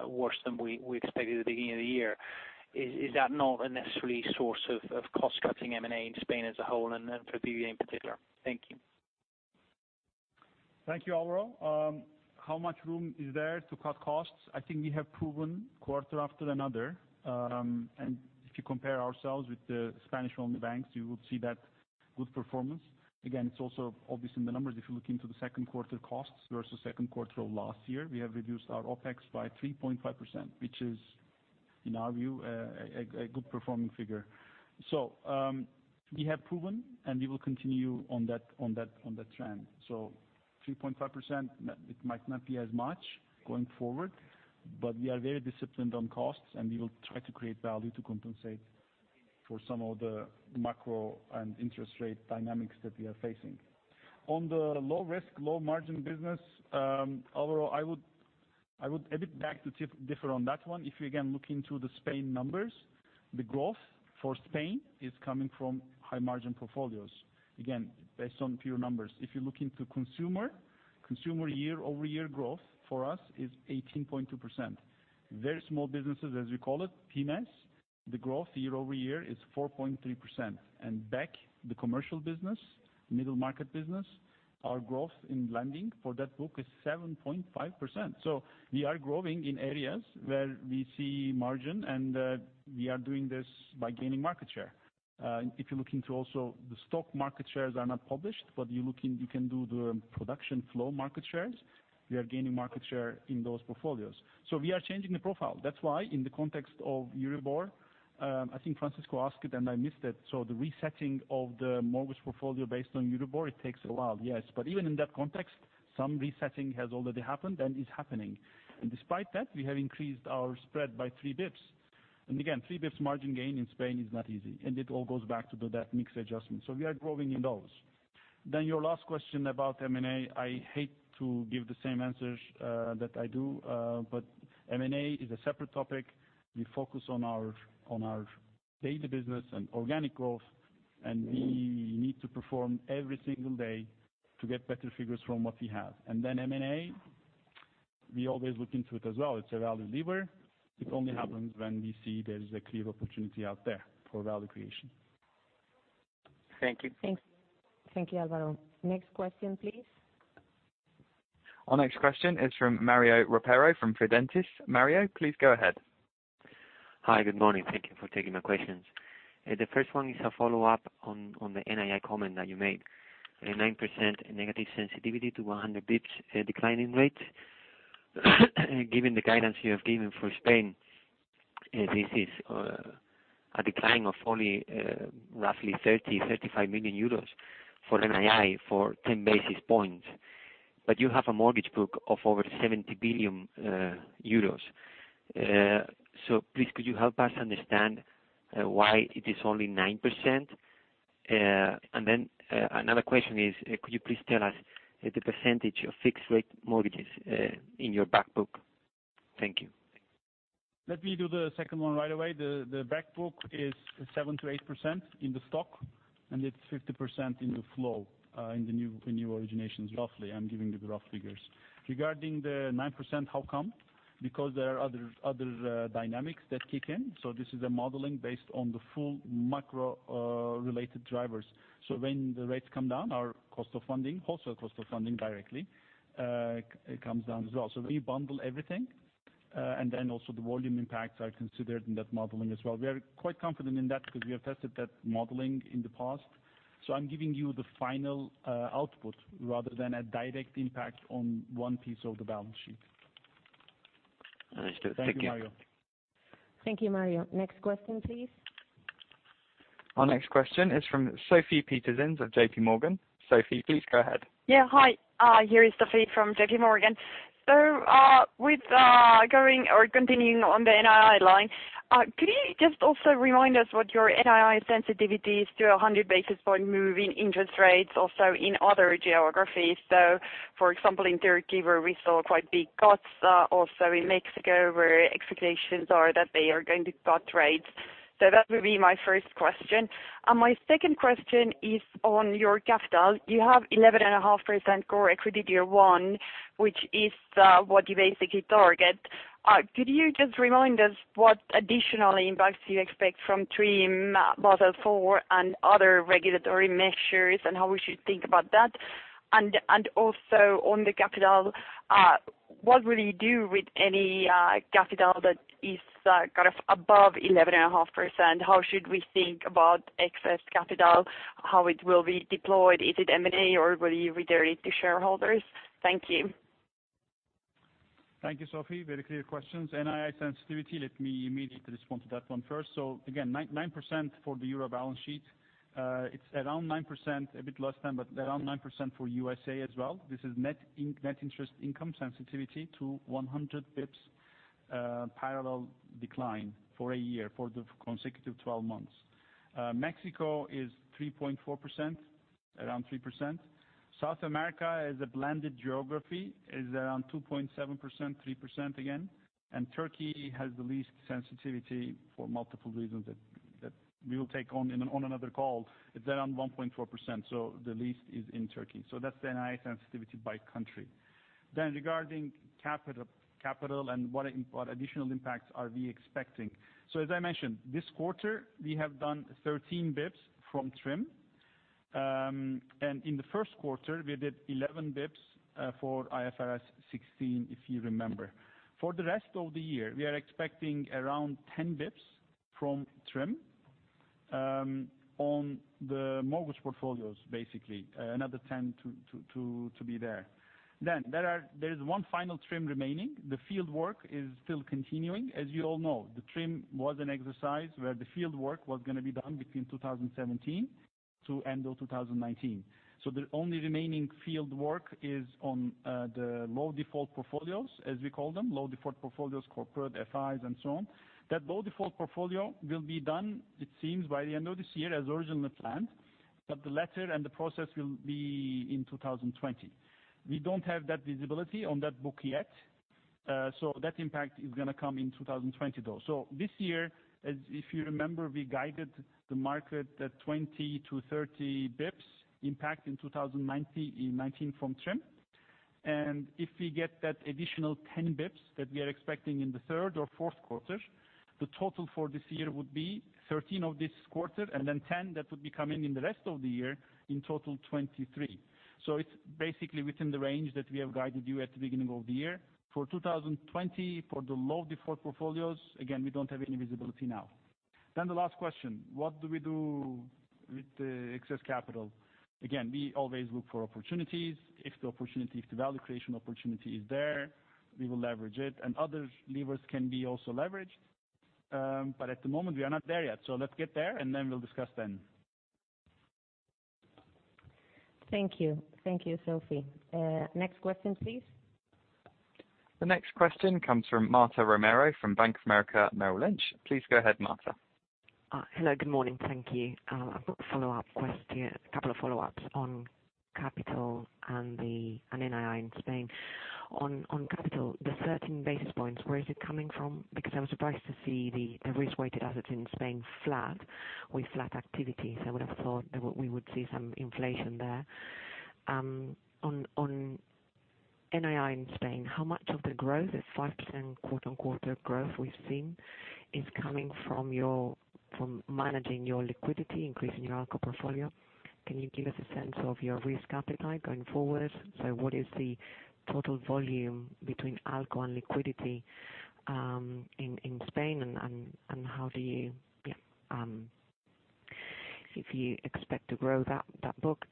worse than we expected at the beginning of the year? Is that not a necessary source of cost-cutting M&A in Spain as a whole and for BBVA in particular? Thank you. Thank you, Alvaro. How much room is there to cut costs? I think we have proven quarter after another, and if you compare ourselves with the Spanish-owned banks, you would see that good performance. It's also obvious in the numbers. If you look into the second quarter costs versus second quarter of last year, we have reduced our OpEx by 3.5%, which is, in our view, a good performing figure. We have proven, and we will continue on that trend. 3.5%, it might not be as much going forward, but we are very disciplined on costs, and we will try to create value to compensate for some of the macro and interest rate dynamics that we are facing. On the low risk, low margin business, Alvaro, I would a bit back to differ on that one. If you again look into the Spain numbers, the growth for Spain is coming from high margin portfolios. Again, based on pure numbers. If you look into consumer year-over-year growth for us is 18.2%. Very small businesses, as we call it, PYMEs, the growth year-over-year is 4.3%. BBK, the commercial business, middle market business, our growth in lending for that book is 7.5%. We are growing in areas where we see margin, and we are doing this by gaining market share. If you look into also the stock market shares are not published, but you can do the production flow market shares. We are gaining market share in those portfolios. We are changing the profile. That's why in the context of Euribor, I think Francisco asked it and I missed it. The resetting of the mortgage portfolio based on Euribor, it takes a while, yes. Even in that context, some resetting has already happened and is happening. Despite that, we have increased our spread by 3 basis points. Again, 3 basis points margin gain in Spain is not easy, and it all goes back to that mix adjustment. We are growing in those. Your last question about M&A, I hate to give the same answers that I do, but M&A is a separate topic. We focus on our daily business and organic growth, and we need to perform every single day to get better figures from what we have. M&A, we always look into it as well. It's a value lever. It only happens when we see there is a clear opportunity out there for value creation. Thank you. Thanks. Thank you, Alvaro. Next question, please. Our next question is from Mario Ropero, from Fidentiis. Mario, please go ahead. Hi. Good morning. Thank you for taking my questions. The first one is a follow-up on the NII comment that you made, a 9% negative sensitivity to 100 basis points decline in rates. Given the guidance you have given for Spain, this is a decline of only roughly 30 million, 35 million euros for NII for 10 basis points. You have a mortgage book of over 70 billion euros. Please could you help us understand why it is only 9%? Another question is, could you please tell us the percentage of fixed-rate mortgages in your back book? Thank you. Let me do the second one right away. The back book is 7%-8% in the stock, and it's 50% in the flow, in the new originations, roughly. I'm giving you the rough figures. Regarding the 9%, how come? There are other dynamics that kick in. This is a modeling based on the full macro-related drivers. When the rates come down, our cost of funding, wholesale cost of funding directly, comes down as well. We bundle everything, also the volume impacts are considered in that modeling as well. We are quite confident in that because we have tested that modeling in the past. I'm giving you the final output rather than a direct impact on one piece of the balance sheet. Understood. Thank you. Thank you, Mario. Thank you, Mario. Next question, please. Our next question is from Sofie Peterzens of JPMorgan. Sofie, please go ahead. Hi, here is Sofie from JPMorgan. Continuing on the NII line, could you just also remind us what your NII sensitivity is to 100 basis points move in interest rates, also in other geographies? For example, in Turkey, where we saw quite big cuts, also in Mexico, where expectations are that they are going to cut rates. That would be my first question. My second question is on your capital. You have 11.5% core equity Tier 1, which is what you basically target. Could you just remind us what additional impacts you expect from TRIM, Basel IV and other regulatory measures, and how we should think about that? Also on the capital, what will you do with any capital that is above 11.5%? How should we think about excess capital, how it will be deployed? Is it M&A or will you return it to shareholders? Thank you. Thank you, Sofie. Very clear questions. NII sensitivity, let me immediately respond to that one first. Again, 9% for the Euro balance sheet. It's around 9%, a bit less than, but around 9% for U.S.A. as well. This is net interest income sensitivity to 100 basis points parallel decline for a year, for the consecutive 12 months. Mexico is 3.4%, around 3%. South America is a blended geography, is around 2.7%, 3% again. Turkey has the least sensitivity for multiple reasons that we will take on another call. It's around 1.4%, the least is in Turkey. That's the NII sensitivity by country. Regarding capital and what additional impacts are we expecting. As I mentioned, this quarter we have done 13 basis points from TRIM. In the first quarter, we did 11 basis points for IFRS 16, if you remember. For the rest of the year, we are expecting around 10 basis points from TRIM on the mortgage portfolios, basically. Another 10 to be there. There is one final TRIM remaining. The fieldwork is still continuing. As you all know, the TRIM was an exercise where the fieldwork was going to be done between 2017 to end of 2019. The only remaining fieldwork is on the low default portfolios, as we call them, low default portfolios, corporate FIs and so on. That low default portfolio will be done, it seems, by the end of this year, as originally planned. The letter and the process will be in 2020. We don't have that visibility on that book yet, that impact is going to come in 2020, though. This year, if you remember, we guided the market that 20-30 basis points impact in 2019 from TRIM. If we get that additional 10 basis points that we are expecting in the third or fourth quarter, the total for this year would be 13 of this quarter, and then 10 that would be coming in the rest of the year, in total, 23. It's basically within the range that we have guided you at the beginning of the year. For 2020, for the low default portfolios, again, we don't have any visibility now. The last question, what do we do with the excess capital? Again, we always look for opportunities. If the value creation opportunity is there, we will leverage it, and other levers can be also leveraged. At the moment, we are not there yet. Let's get there and then we'll discuss then. Thank you. Thank you, Sofie. Next question, please. The next question comes from Marta Romero from Bank of America Merrill Lynch. Please go ahead, Marta. Hello, good morning. Thank you. I've got a couple of follow-ups on capital and NII in Spain. On capital, the 13 basis points, where is it coming from? I was surprised to see the risk-weighted assets in Spain flat with flat activity, so I would have thought that we would see some inflation there. On NII in Spain, how much of the growth, that 5% quarter-on-quarter growth we've seen, is coming from managing your liquidity, increasing your ALCO portfolio? Can you give us a sense of your risk appetite going forward? What is the total volume between ALCO and liquidity in Spain, and if you expect to grow that book?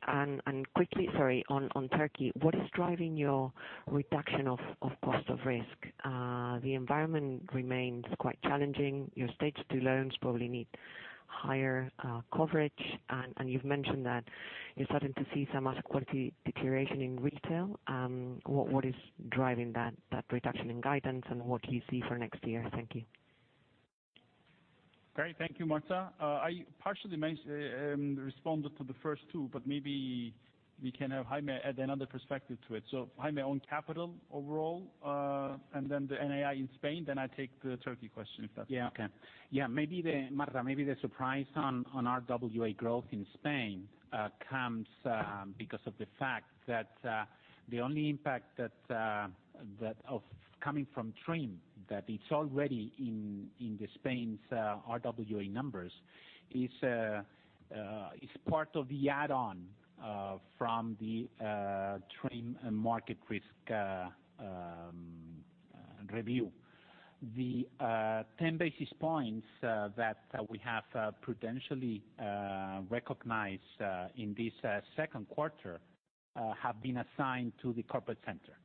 Quickly, sorry, on Turkey, what is driving your reduction of cost of risk? The environment remains quite challenging. Your Stage 2 loans probably need higher coverage. You've mentioned that you're starting to see some asset quality deterioration in retail. What is driving that reduction in guidance, and what do you see for next year? Thank you. Great. Thank you, Marta. I partially responded to the first two, but maybe we can have Jaime add another perspective to it. Jaime, on capital overall, and then the NII in Spain, then I take the Turkey question, if that's okay. Marta, maybe the surprise on our RWA growth in Spain comes because of the fact that the only impact coming from TRIM, that it's already in Spain's RWA numbers, is part of the add-on from the TRIM market risk review. The 10 basis points that we have prudentially recognized in this second quarter have been assigned to the corporate center.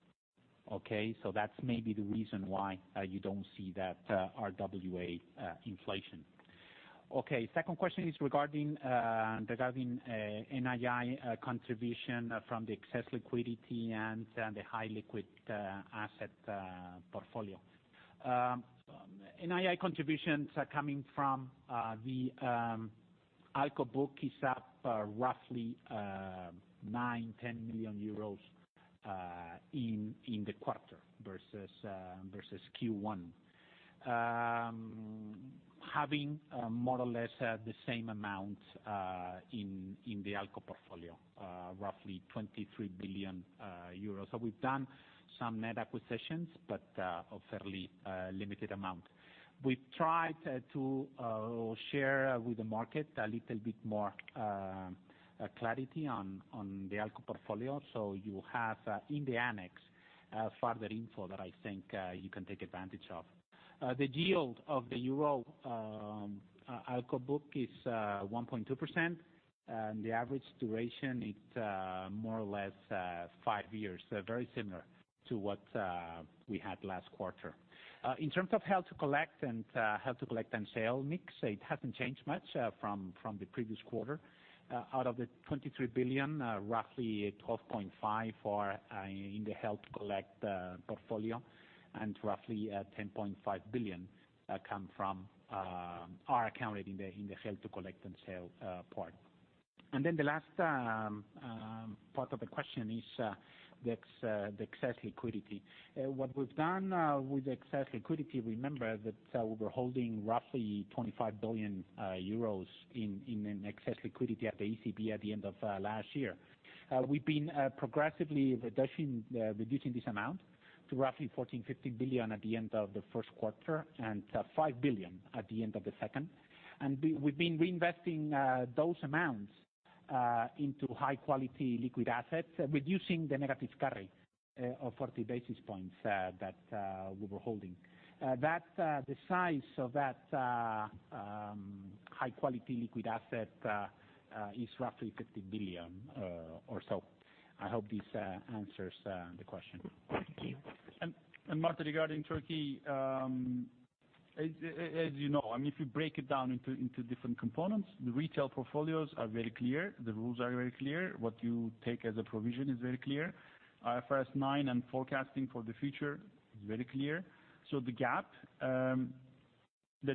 Okay? That's maybe the reason why you don't see that RWA inflation. Okay. Second question is regarding NII contribution from the excess liquidity and the high liquid asset portfolio. NII contributions are coming from the ALCO book, is up roughly nine, 10 million euros in the quarter versus Q1. Having more or less the same amount in the ALCO portfolio, roughly 23 billion euros. We've done some net acquisitions, but a fairly limited amount. We've tried to share with the market a little bit more clarity on the ALCO portfolio. You have, in the annex, further info that I think you can take advantage of. The yield of the euro ALCO book is 1.2%, and the average duration, it's more or less five years. Very similar to what we had last quarter. In terms of held-to-collect and held-to-collect and sell mix, it hasn't changed much from the previous quarter. Out of the 23 billion, roughly 12.5 billion are in the held-to-collect portfolio, and roughly 10.5 billion are accounted in the held-to-collect and sell part. The last part of the question is the excess liquidity. What we've done with excess liquidity, remember that we were holding roughly 25 billion euros in excess liquidity at the ECB at the end of last year. We've been progressively reducing this amount to roughly 14 billion, 15 billion at the end of the first quarter, and 5 billion at the end of the second. We've been reinvesting those amounts into high-quality liquid assets, reducing the negative carry of 40 basis points that we were holding. The size of that high-quality liquid asset is roughly 50 billion or so. I hope this answers the question. And Marta, regarding Turkey, as you know, if you break it down into different components, the retail portfolios are very clear. The rules are very clear. What you take as a provision is very clear. IFRS 9 and forecasting for the future is very clear. The gap that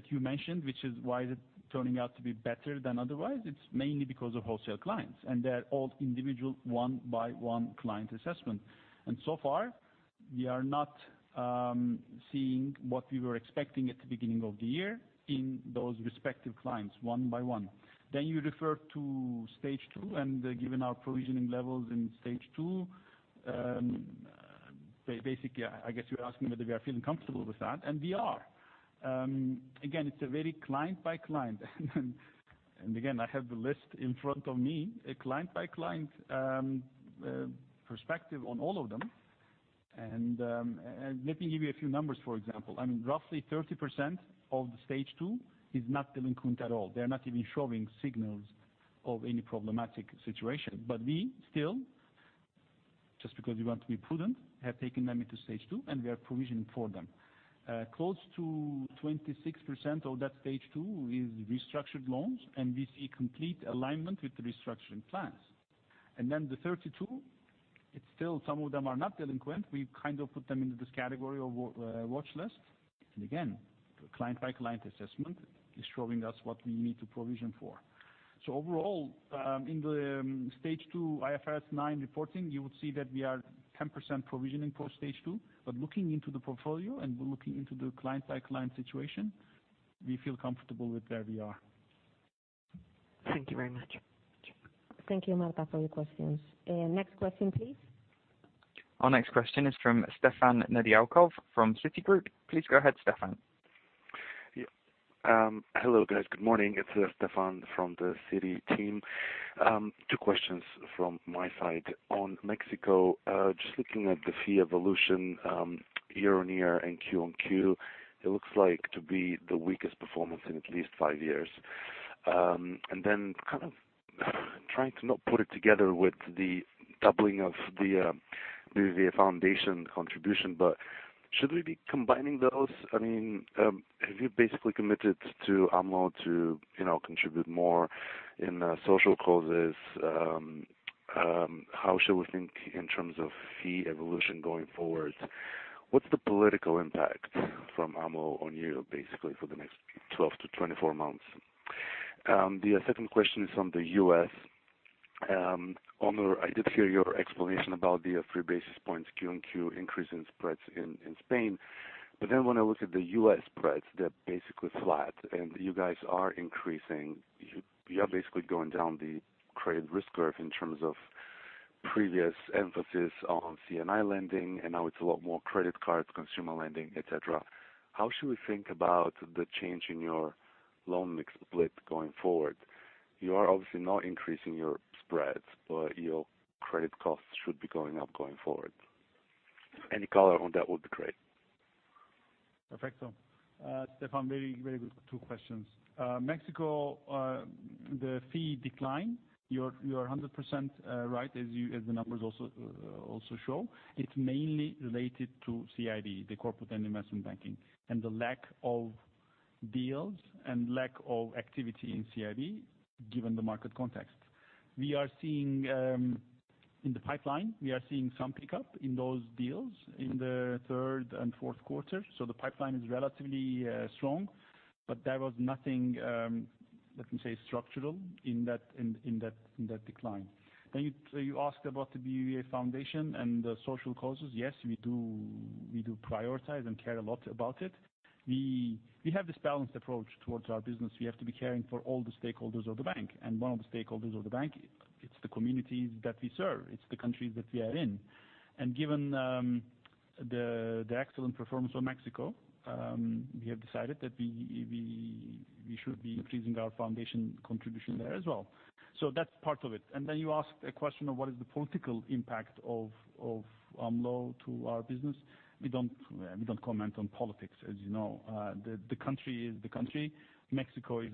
you mentioned, which is why it is turning out to be better than otherwise, it's mainly because of wholesale clients, and they're all individual one-by-one client assessment. So far, we are not seeing what we were expecting at the beginning of the year in those respective clients, one by one. You refer to Stage 2, given our provisioning levels in Stage 2, basically, I guess you're asking whether we are feeling comfortable with that, we are. Again, it's a very client-by-client. Again, I have the list in front of me, a client-by-client perspective on all of them. Let me give you a few numbers, for example. Roughly 30% of the Stage 2 is not delinquent at all. They're not even showing signals of any problematic situation. We still, just because we want to be prudent, have taken them into Stage 2, and we are provisioning for them. Close to 26% of that Stage 2 is restructured loans, and we see complete alignment with the restructuring plans. The 32, it's still some of them are not delinquent. We've put them into this category of watch list. Again, the client-by-client assessment is showing us what we need to provision for. Overall, in the Stage 2 IFRS 9 reporting, you would see that we are 10% provisioning for Stage 2. Looking into the portfolio and looking into the client-by-client situation, we feel comfortable with where we are. Thank you very much. Thank you, Marta, for your questions. Next question, please. Our next question is from Stefan Nedialkov from Citigroup. Please go ahead, Stefan. Hello, guys. Good morning. It's Stefan from the Citi team. Two questions from my side. On Mexico, just looking at the fee evolution year-on-year and Q-on-Q, it looks like to be the weakest performance in at least five years. Trying to not put it together with the doubling of the BBVA Foundation contribution, but should we be combining those? Have you basically committed to AMLO to contribute more in social causes? How should we think in terms of fee evolution going forward? What's the political impact from AMLO on you basically for the next 12-24 months? The second question is on the U.S. Onur, I did hear your explanation about the 3 basis points Q-on-Q increase in spreads in Spain. When I look at the U.S. spreads, they're basically flat and you guys are increasing. You are basically going down the credit risk curve in terms of previous emphasis on C&I lending, now it's a lot more credit cards, consumer lending, et cetera. How should we think about the change in your loan mix split going forward? You are obviously not increasing your spreads, your credit costs should be going up going forward. Any color on that would be great. Perfecto. Stefan, very good two questions. Mexico, the fee decline, you are 100% right, as the numbers also show. It is mainly related to CIB, the corporate and investment banking, and the lack of deals and lack of activity in CIB, given the market context. In the pipeline, we are seeing some pickup in those deals in the third and fourth quarter. The pipeline is relatively strong, but there was nothing, let me say, structural in that decline. You asked about the BBVA Foundation and the social causes. Yes, we do prioritize and care a lot about it. We have this balanced approach towards our business. We have to be caring for all the stakeholders of the bank, and one of the stakeholders of the bank, it is the communities that we serve. It is the countries that we are in. Given the excellent performance of Mexico, we have decided that we should be increasing our foundation contribution there as well. That's part of it. You asked a question of what is the political impact of AMLO to our business. We don't comment on politics as you know. The country is the country. Mexico is.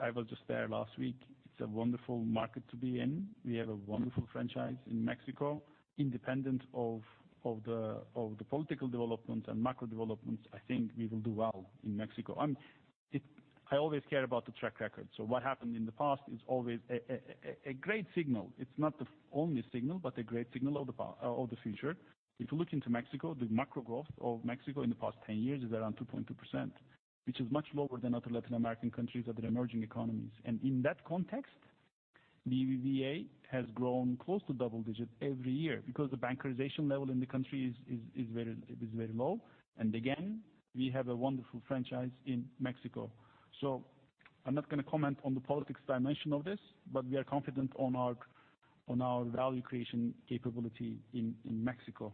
I was just there last week. It's a wonderful market to be in. We have a wonderful franchise in Mexico. Independent of the political development and macro developments, I think we will do well in Mexico. I always care about the track record. What happened in the past is always a great signal. It's not the only signal, but a great signal of the future. If you look into Mexico, the macro growth of Mexico in the past 10 years is around 2.2%, which is much lower than other Latin American countries that are emerging economies. In that context, BBVA has grown close to double digits every year because the bankerization level in the country is very low. Again, we have a wonderful franchise in Mexico. I'm not going to comment on the politics dimension of this, but we are confident on our value creation capability in Mexico.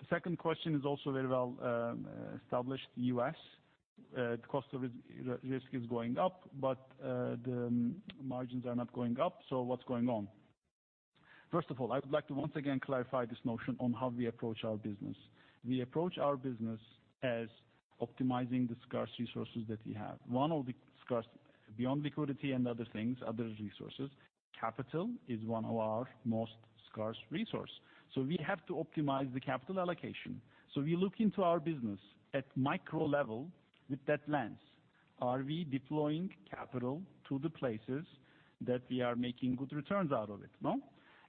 The second question is also very well established. U.S., cost of risk is going up, but the margins are not going up. What's going on? First of all, I would like to once again clarify this notion on how we approach our business. We approach our business as optimizing the scarce resources that we have. Beyond liquidity and other things, other resources, capital is one of our most scarce resource. We have to optimize the capital allocation. We look into our business at micro level with that lens. Are we deploying capital to the places that we are making good returns out of it?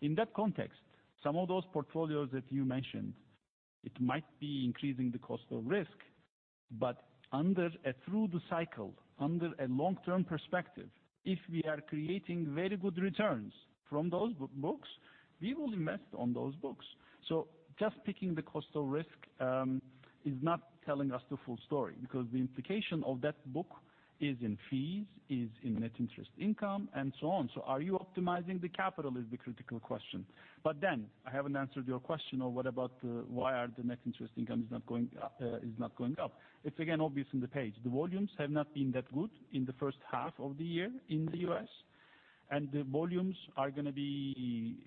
In that context, some of those portfolios that you mentioned, it might be increasing the cost of risk, but through the cycle, under a long-term perspective, if we are creating very good returns from those books, we will invest on those books. Just picking the cost of risk is not telling us the full story because the implication of that book is in fees, is in net interest income, and so on. Are you optimizing the capital is the critical question? I haven't answered your question of why are the net interest income is not going up. It's again obvious in the page. The volumes have not been that good in the first half of the year in the U.S., and the volumes are going to be,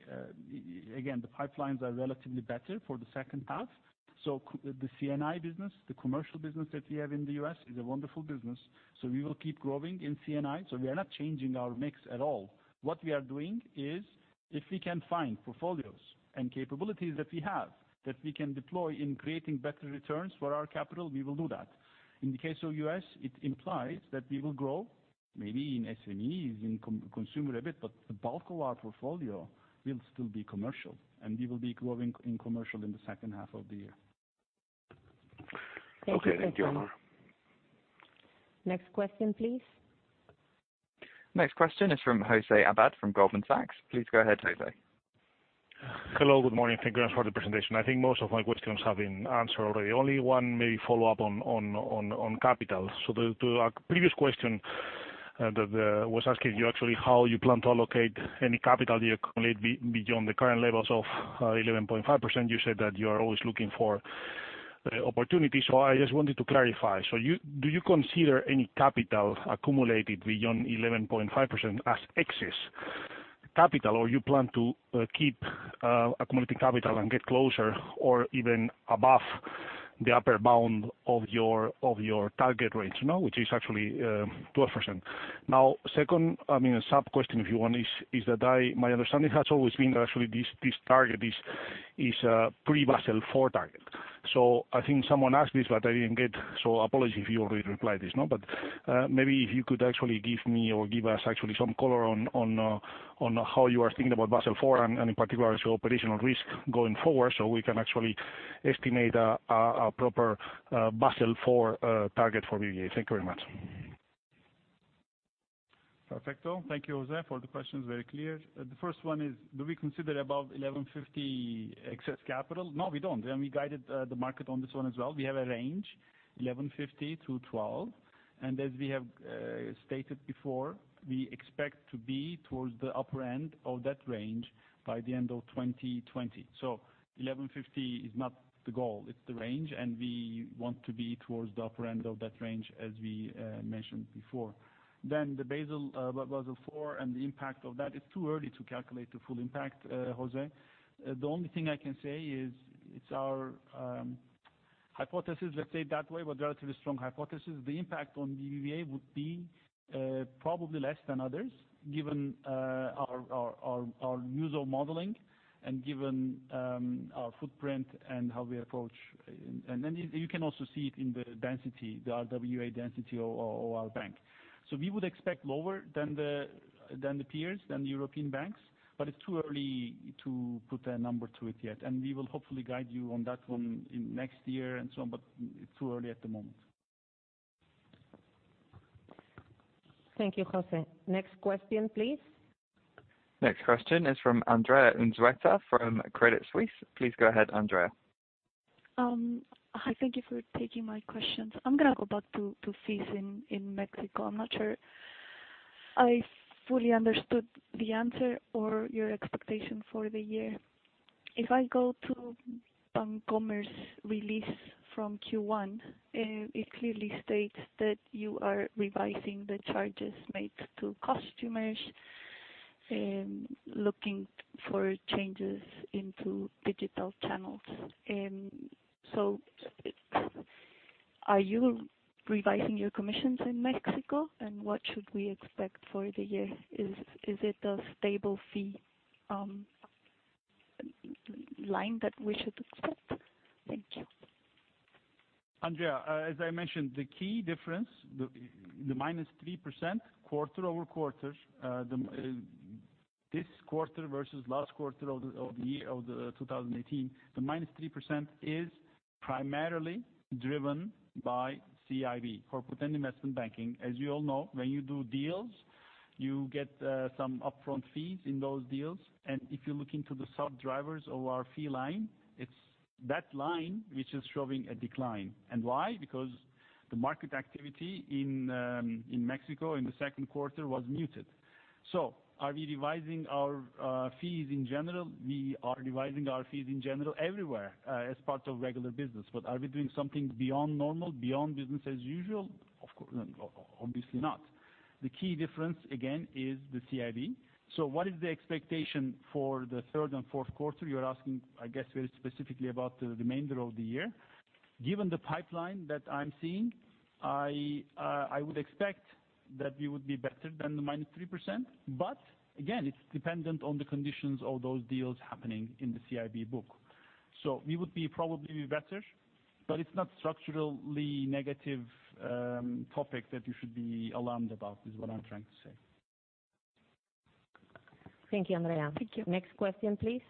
again, the pipelines are relatively better for the second half. The C&I business, the commercial business that we have in the U.S. is a wonderful business. We will keep growing in C&I. We are not changing our mix at all. What we are doing is if we can find portfolios and capabilities that we have that we can deploy in creating better returns for our capital, we will do that. In the case of U.S., it implies that we will grow maybe in SMEs, in consumer a bit, but the bulk of our portfolio will still be commercial, and we will be growing in commercial in the second half of the year. Okay. Thank you, Onur. Thank you Stefan. Next question, please. Next question is from José Abad from Goldman Sachs. Please go ahead, José. Hello. Good morning. Thank you for the presentation. I think most of my questions have been answered already. Only one maybe follow up on capital. To our previous question that was asking you actually how you plan to allocate any capital you accumulate beyond the current levels of 11.5%, you said that you are always looking for opportunities. I just wanted to clarify. Do you consider any capital accumulated beyond 11.5% as excess capital or you plan to keep accumulating capital and get closer or even above the upper bound of your target range, which is actually 12%? Second sub question, if you want is that my understanding has always been that actually this target is a pre-Basel IV target. I think someone asked this, but I didn't get, apologies if you already replied this. Maybe if you could actually give me or give us actually some color on how you are thinking about Basel IV, and in particular, your operational risk going forward, so we can actually estimate a proper Basel IV target for BBVA. Thank you very much. Perfecto. Thank you, José, for the questions, very clear. The first one is, do we consider above 11.50 excess capital? No, we don't. We guided the market on this one as well. We have a range, 11.50 through 12. As we have stated before, we expect to be towards the upper end of that range by the end of 2020. 11.50 is not the goal, it's the range, and we want to be towards the upper end of that range, as we mentioned before. The Basel IV and the impact of that, it's too early to calculate the full impact, José. The only thing I can say is it's our hypothesis, let's say it that way, but relatively strong hypothesis, the impact on BBVA would be probably less than others, given our use of modeling and given our footprint and how we approach. You can also see it in the density, the RWA density of our bank. We would expect lower than the peers, than the European banks, but it's too early to put a number to it yet. We will hopefully guide you on that one next year and so on, but it's too early at the moment. Thank you, José. Next question, please. Next question is from Andrea Unzueta from Credit Suisse. Please go ahead, Andrea. Hi. Thank you for taking my questions. I'm going to go back to fees in Mexico. I'm not sure I fully understood the answer or your expectation for the year. If I go to Bancomer's release from Q1, it clearly states that you are revising the charges made to customers, looking for changes into digital channels. Are you revising your commissions in Mexico? What should we expect for the year? Is it a stable fee line that we should expect? Thank you. Andrea, as I mentioned, the key difference, the -3% quarter-over-quarter, this quarter versus last quarter of the year, of 2018, the -3% is primarily driven by CIB, Corporate and Investment Banking. As you all know, when you do deals, you get some upfront fees in those deals. If you look into the sub-drivers of our fee line, it is that line which is showing a decline. Why? Because the market activity in Mexico in the second quarter was muted. Are we revising our fees in general? We are revising our fees in general everywhere, as part of regular business. Are we doing something beyond normal, beyond business as usual? Obviously not. The key difference, again, is the CIB. What is the expectation for the third and fourth quarter? You are asking, I guess, very specifically about the remainder of the year. Given the pipeline that I'm seeing, I would expect that we would be better than the -3%, but again, it's dependent on the conditions of those deals happening in the CIB book. We would probably be better, but it's not structurally negative topic that you should be alarmed about, is what I'm trying to say. Thank you, Andrea. Thank you. Next question, please.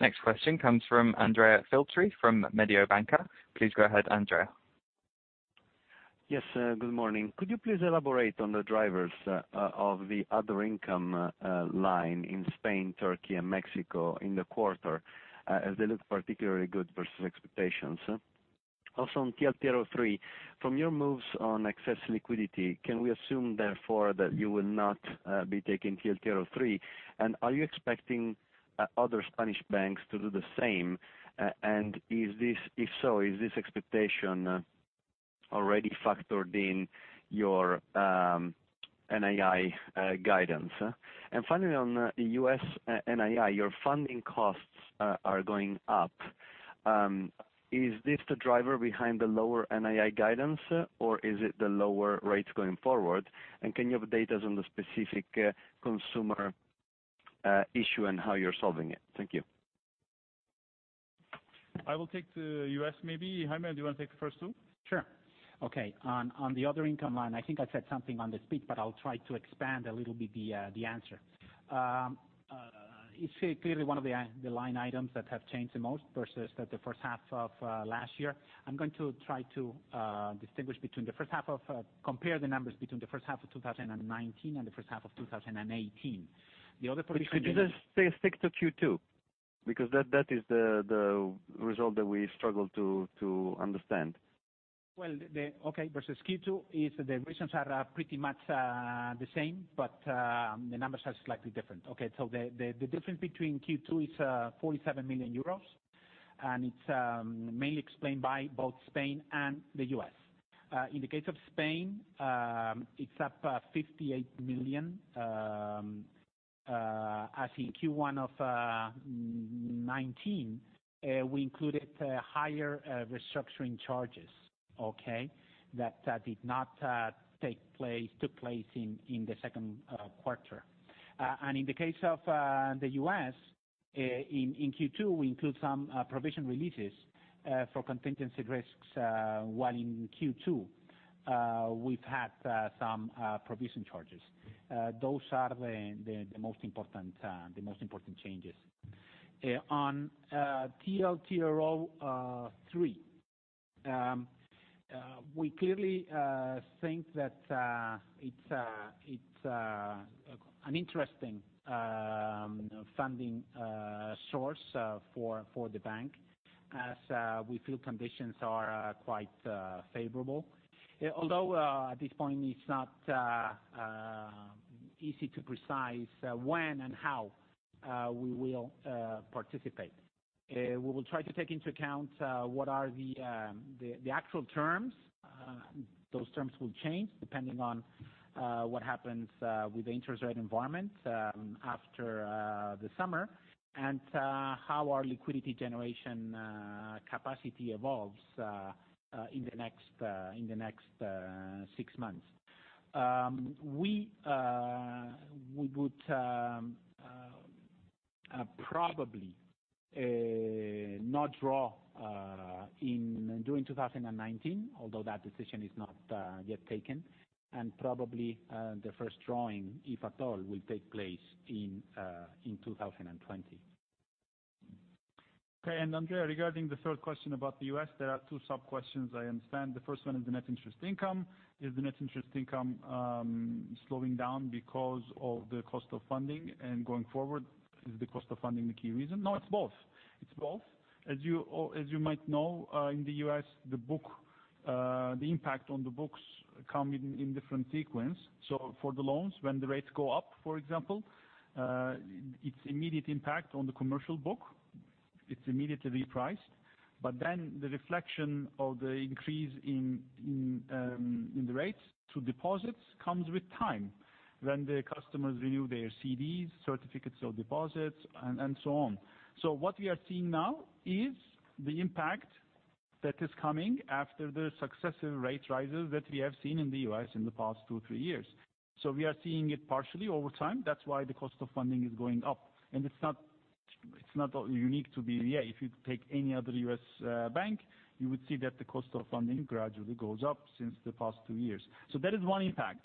Next question comes from Andrea Filtri from Mediobanca. Please go ahead, Andrea. Yes, good morning. Could you please elaborate on the drivers of the other income line in Spain, Turkey and Mexico in the quarter, as they look particularly good versus expectations? On TLTRO III, from your moves on excess liquidity, can we assume therefore that you will not be taking TLTRO III? Are you expecting other Spanish banks to do the same? If so, is this expectation already factored in your NII guidance? Finally, on U.S. NII, your funding costs are going up. Is this the driver behind the lower NII guidance, or is it the lower rates going forward? Can you update us on the specific consumer issue and how you're solving it? Thank you. I will take the U.S. maybe. Jaime, do you want to take the first two? Sure. Okay. On the other income line, I think I said something on the speech, but I'll try to expand a little bit the answer. It's clearly one of the line items that have changed the most versus the first half of last year. I'm going to try to distinguish between, compare the numbers between the first half of 2019 and the first half of 2018. The other portion. Could you just stick to Q2? That is the result that we struggle to understand. Well, okay, versus Q2, the reasons are pretty much the same. The numbers are slightly different. Okay, the difference between Q2 is 47 million euros. It's mainly explained by both Spain and the U.S. In the case of Spain, it's up 58 million, as in Q1 of 2019, we included higher restructuring charges, okay, that did not took place in the second quarter. In the case of the U.S., in Q2, we include some provision releases for contingency risks, while in Q2, we've had some provision charges. Those are the most important changes. On TLTRO III, we clearly think that it's an interesting funding source for the bank, as we feel conditions are quite favorable. Although at this point it's not easy to precise when and how we will participate. We will try to take into account what are the actual terms. Those terms will change depending on what happens with the interest rate environment after the summer and how our liquidity generation capacity evolves in the next six months. We would probably not draw during 2019, although that decision is not yet taken, and probably the first drawing, if at all, will take place in 2020. Okay. Andrea, regarding the third question about the U.S., there are two sub-questions, I understand. The first one is the net interest income. Is the net interest income slowing down because of the cost of funding and going forward, is the cost of funding the key reason? No, it is both. As you might know, in the U.S., the impact on the books come in different sequence. For the loans, when the rates go up, for example, its immediate impact on the commercial book, it's immediately repriced. The reflection of the increase in the rates to deposits comes with time, when the customers renew their CDs, certificates of deposits, and so on. What we are seeing now is the impact that is coming after the successive rate rises that we have seen in the U.S. in the past two, three years. We are seeing it partially over time. That's why the cost of funding is going up. It's not unique to BBVA. If you take any other U.S. bank, you would see that the cost of funding gradually goes up since the past two years. That is one impact.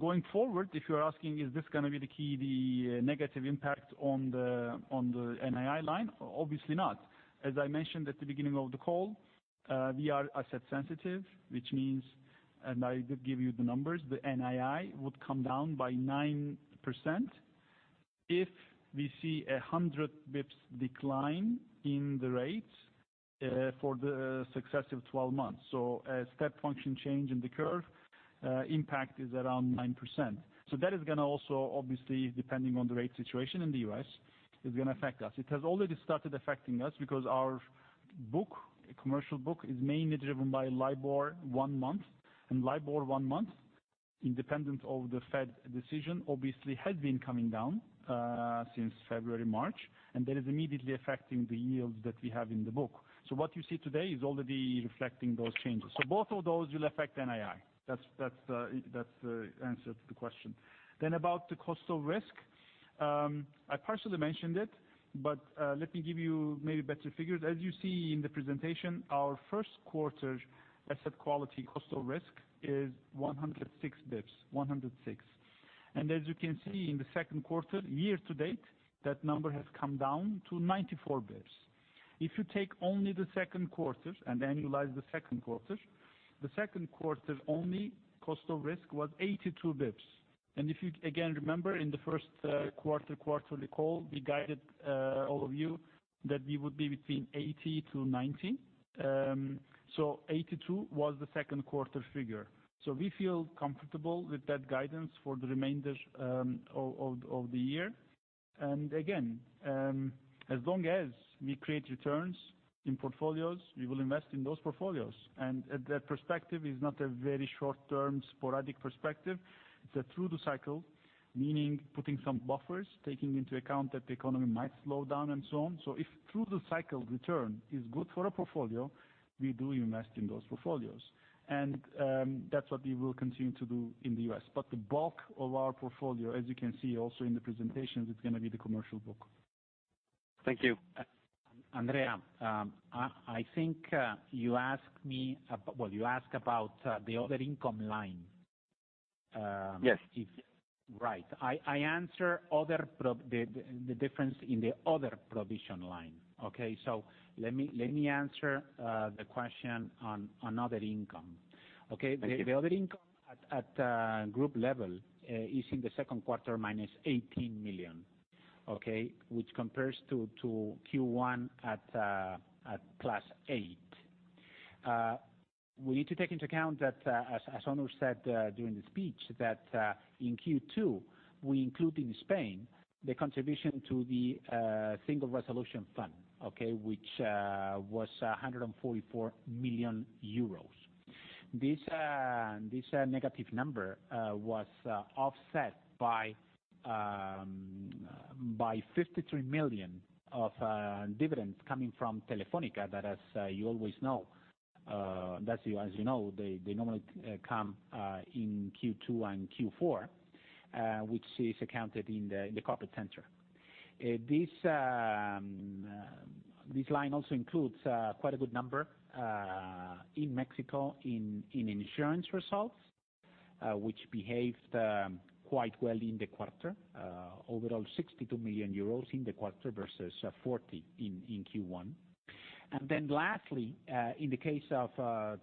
Going forward, if you're asking, is this going to be the key negative impact on the NII line? Obviously not. As I mentioned at the beginning of the call, we are asset sensitive, which means, and I did give you the numbers, the NII would come down by 9% if we see 100 basis points decline in the rates for the successive 12 months. A step function change in the curve, impact is around 9%. That is going to also, obviously, depending on the rate situation in the U.S., is going to affect us. It has already started affecting us because our book, commercial book, is mainly driven by LIBOR one month, and LIBOR one month, independent of the Fed decision, obviously had been coming down, since February, March, and that is immediately affecting the yields that we have in the book. What you see today is already reflecting those changes. Both of those will affect NII. That's the answer to the question. About the cost of risk, I partially mentioned it, let me give you maybe better figures. As you see in the presentation, our first quarter asset quality cost of risk is 106 basis points. As you can see in the second quarter, year-to-date, that number has come down to 94 basis points. If you take only the second quarter and annualize the second quarter, the second quarter only cost of risk was 82 basis points. If you, again, remember in the first quarter quarterly call, we guided all of you that we would be between 80-90. 82 was the second quarter figure. We feel comfortable with that guidance for the remainder of the year. Again, as long as we create returns in portfolios, we will invest in those portfolios. That perspective is not a very short-term sporadic perspective, it's a through the cycle, meaning putting some buffers, taking into account that the economy might slow down and so on. If through the cycle return is good for a portfolio, we do invest in those portfolios. That's what we will continue to do in the U.S. The bulk of our portfolio, as you can see also in the presentations, it's going to be the commercial book. Thank you. Andrea, I think you asked about the other income line. Yes. Right. I answered the difference in the other provision line. Okay? Let me answer the question on other income. Okay? Thank you. The other income at group level is in the second quarter, -18 million, okay. Which compares to Q1 at +8 million. We need to take into account that, as Onur said during the speech, that in Q2, we include in Spain the contribution to the Single Resolution Fund, okay. Which was 144 million euros. This negative number was offset by 53 million of dividends coming from Telefónica. That, as you know, they normally come in Q2 and Q4, which is accounted in the corporate center. This line also includes quite a good number in Mexico in insurance results, which behaved quite well in the quarter. Overall 62 million euros in the quarter versus 40 million in Q1. Lastly, in the case of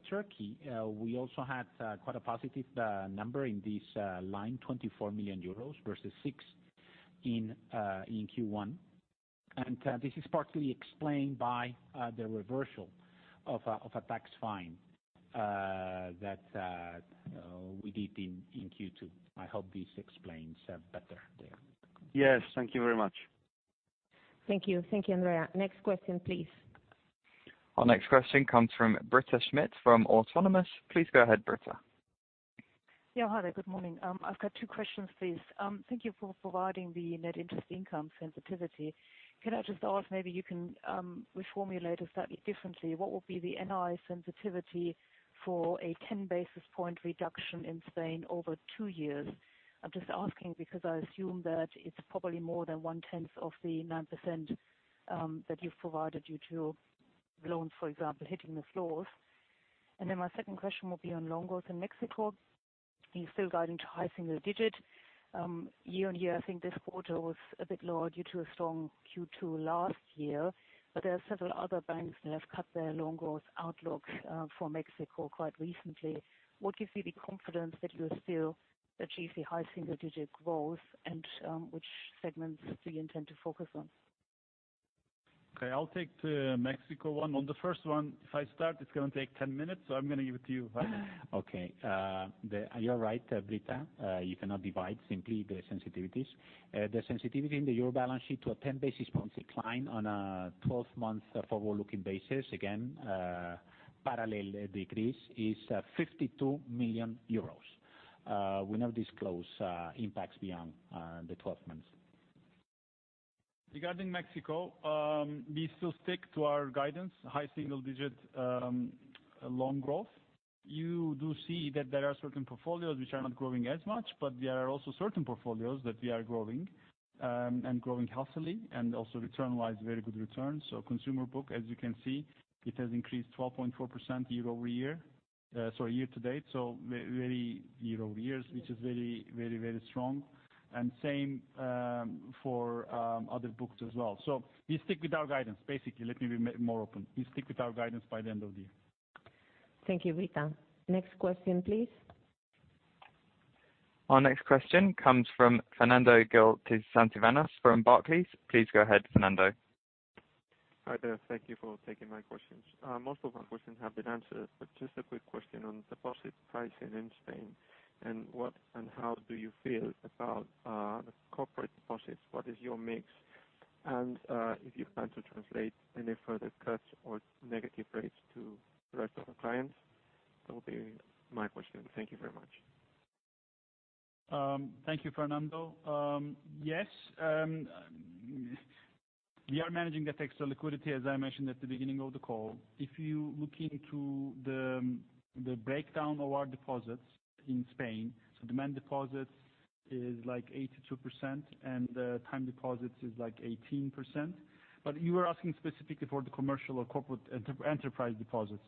Turkey, we also had quite a positive number in this line, 24 million euros versus 6 million in Q1. This is partly explained by the reversal of a tax fine that we did in Q2. I hope this explains better there. Yes. Thank you very much. Thank you, Andrea. Next question, please. Our next question comes from Britta Schmidt from Autonomous. Please go ahead, Britta. Yeah. Hi there. Good morning. I've got two questions, please. Thank you for providing the NII sensitivity. Could I just ask, maybe you can reformulate it slightly differently. What would be the NII sensitivity for a 10 basis point reduction in Spain over two years? I'm just asking because I assume that it's probably more than one-tenth of the 9% that you've provided due to loans, for example, hitting the floors. My second question will be on loan growth in Mexico. You're still guiding to high single-digit. Year-on-year, I think this quarter was a bit lower due to a strong Q2 last year. There are several other banks that have cut their loan growth outlooks for Mexico quite recently. What gives you the confidence that you'll still achieve the high single-digit growth, and which segments do you intend to focus on? Okay, I'll take the Mexico one. On the first one, if I start, it's going to take 10 minutes, so I'm going to give it to you. Okay. You're right, Britta, you cannot divide simply the sensitivities. The sensitivity in the euro balance sheet to a 10 basis point decline on a 12-month forward-looking basis, again, parallel decrease is 52 million euros. We never disclose impacts beyond the 12 months. Regarding Mexico, we still stick to our guidance, high single-digit loan growth. You do see that there are certain portfolios which are not growing as much. There are also certain portfolios that we are growing, and growing healthily, and also return-wise, very good returns. Consumer book, as you can see, it has increased 12.4% year-over-year. Sorry, year-to-date. Year-over-year, which is very strong. Same for other books as well. We stick with our guidance, basically. Let me be more open. We stick with our guidance by the end of the year. Thank you, Britta. Next question, please. Our next question comes from Fernando Gil de Santivañes from Barclays. Please go ahead, Fernando. Hi there. Thank you for taking my questions. Most of my questions have been answered, but just a quick question on deposit pricing in Spain, and how do you feel about the corporate deposits? What is your mix? If you plan to translate any further cuts or negative rates to the rest of the clients? That will be my question. Thank you very much. Thank you, Fernando. Yes, we are managing the excess liquidity, as I mentioned at the beginning of the call. If you look into the breakdown of our deposits in Spain, demand deposits is 82% and time deposits is 18%. You are asking specifically for the commercial or corporate enterprise deposits.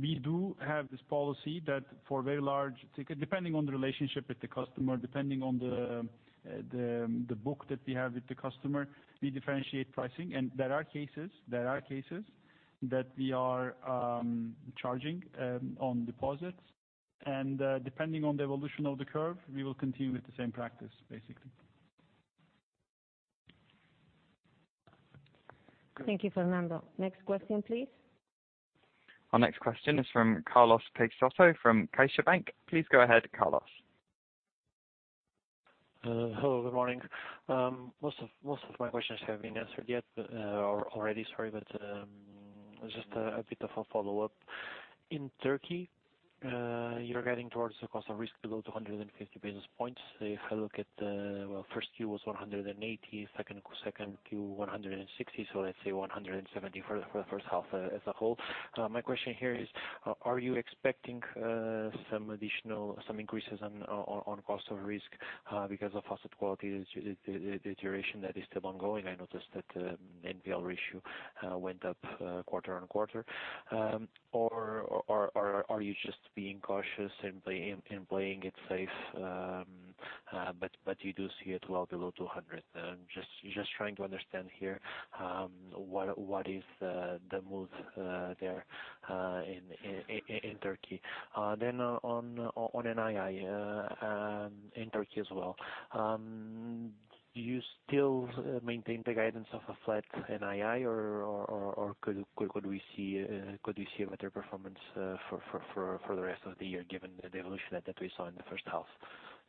We do have this policy that for very large ticket, depending on the relationship with the customer, depending on the book that we have with the customer, we differentiate pricing. There are cases that we are charging on deposits. Depending on the evolution of the curve, we will continue with the same practice, basically. Thank you, Fernando. Next question, please. Our next question is from Carlos Peixoto from CaixaBank. Please go ahead, Carlos. Hello, good morning. Most of my questions have been answered already, sorry, but just a bit of a follow-up. In Turkey, you're guiding towards a cost of risk below 250 basis points. If I look at the, well, first Q was 180, second Q 160, so let's say 170 for the first half as a whole. My question here is, are you expecting some increases on cost of risk because of asset quality deterioration that is still ongoing? I noticed that NPL ratio went up quarter-on-quarter. Are you just being cautious and playing it safe, but you do see it well below 200? Just trying to understand here, what is the move there in Turkey. On NII, in Turkey as well. Do you still maintain the guidance of a flat NII, or could we see a better performance for the rest of the year given the evolution that we saw in the first half?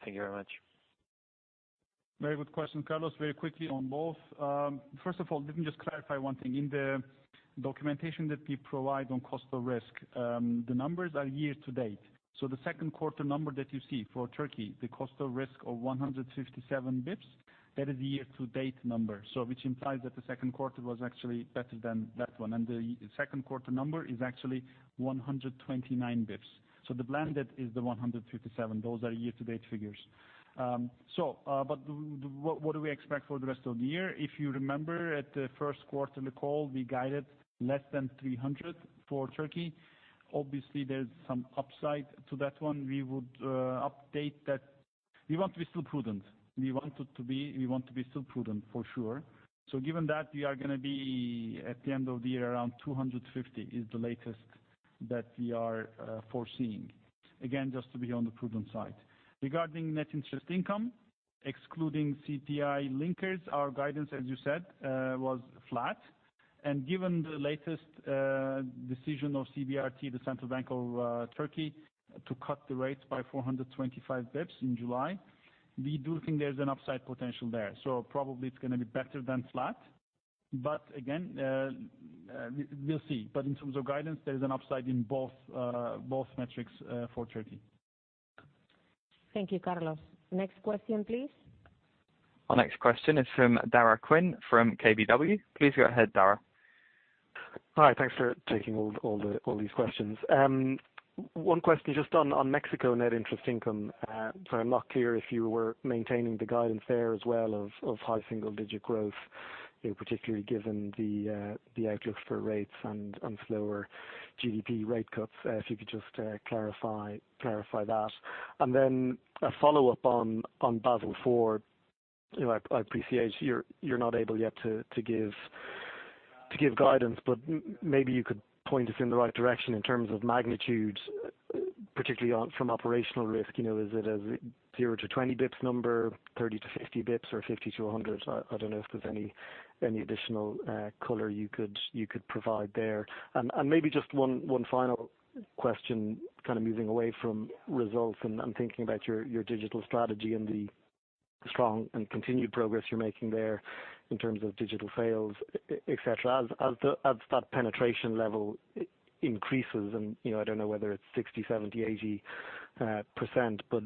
Thank you very much. Very good question, Carlos. Very quickly on both. First of all, let me just clarify one thing. In the documentation that we provide on cost of risk, the numbers are year-to-date. The second quarter number that you see for Turkey, the cost of risk of 157 basis points. That is the year-to-date number, which implies that the second quarter was actually better than that one. The second quarter number is actually 129 basis points. The blended is the 137. Those are year-to-date figures. What do we expect for the rest of the year? If you remember at the first quarter, in the call, we guided less than 300 for Turkey. Obviously, there's some upside to that one. We want to be still prudent for sure. Given that, we are going to be, at the end of the year, around 250 is the latest that we are foreseeing. Again, just to be on the prudent side. Regarding net interest income, excluding CPI linkers, our guidance, as you said, was flat. Given the latest decision of CBRT, the Central Bank of Turkey, to cut the rates by 425 basis points in July, we do think there's an upside potential there. Probably it's going to be better than flat. Again, we'll see. In terms of guidance, there's an upside in both metrics for Turkey. Thank you, Carlos. Next question, please. Our next question is from Daragh Quinn from KBW. Please go ahead, Daragh. Hi. Thanks for taking all these questions. One question just on Mexico net interest income. I'm not clear if you were maintaining the guidance there as well of high single-digit growth, particularly given the outlook for rates and slower GDP rate cuts. If you could just clarify that. Then a follow-up on Basel IV. I appreciate you're not able yet to give guidance, but maybe you could point us in the right direction in terms of magnitude, particularly from operational risk. Is it a 0-20 basis points number, 30-50 basis points, or 50-100 basis points? I don't know if there's any additional color you could provide there. Maybe just one final question, kind of moving away from results and I'm thinking about your digital strategy and the strong and continued progress you're making there in terms of digital sales, et cetera. As that penetration level increases and, I don't know whether it's 60%, 70%, 80%, but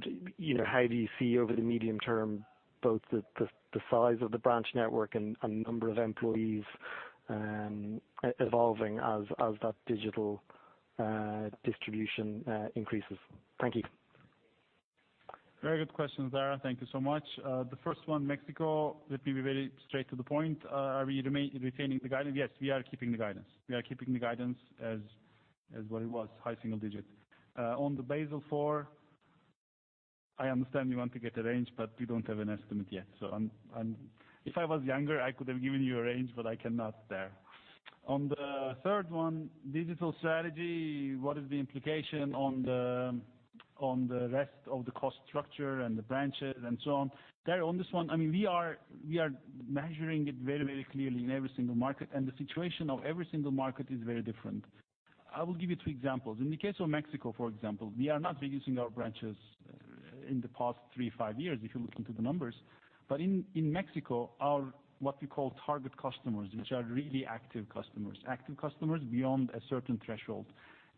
how do you see over the medium term, both the size of the branch network and number of employees evolving as that digital distribution increases? Thank you. Very good questions, Daragh. Thank you so much. The first one, Mexico, let me be very straight to the point. Are we retaining the guidance? Yes, we are keeping the guidance. We are keeping the guidance as what it was, high single digit. On the Basel IV, I understand you want to get a range, but we don't have an estimate yet. If I was younger, I could have given you a range, but I cannot there. On the third one, digital strategy, what is the implication on the rest of the cost structure and the branches and so on? Daragh, on this one, we are measuring it very clearly in every single market, and the situation of every single market is very different. I will give you two examples. In the case of Mexico, for example, we are not reducing our branches in the past three, five years, if you look into the numbers. In Mexico, our what we call target customers, which are really active customers, active customers beyond a certain threshold,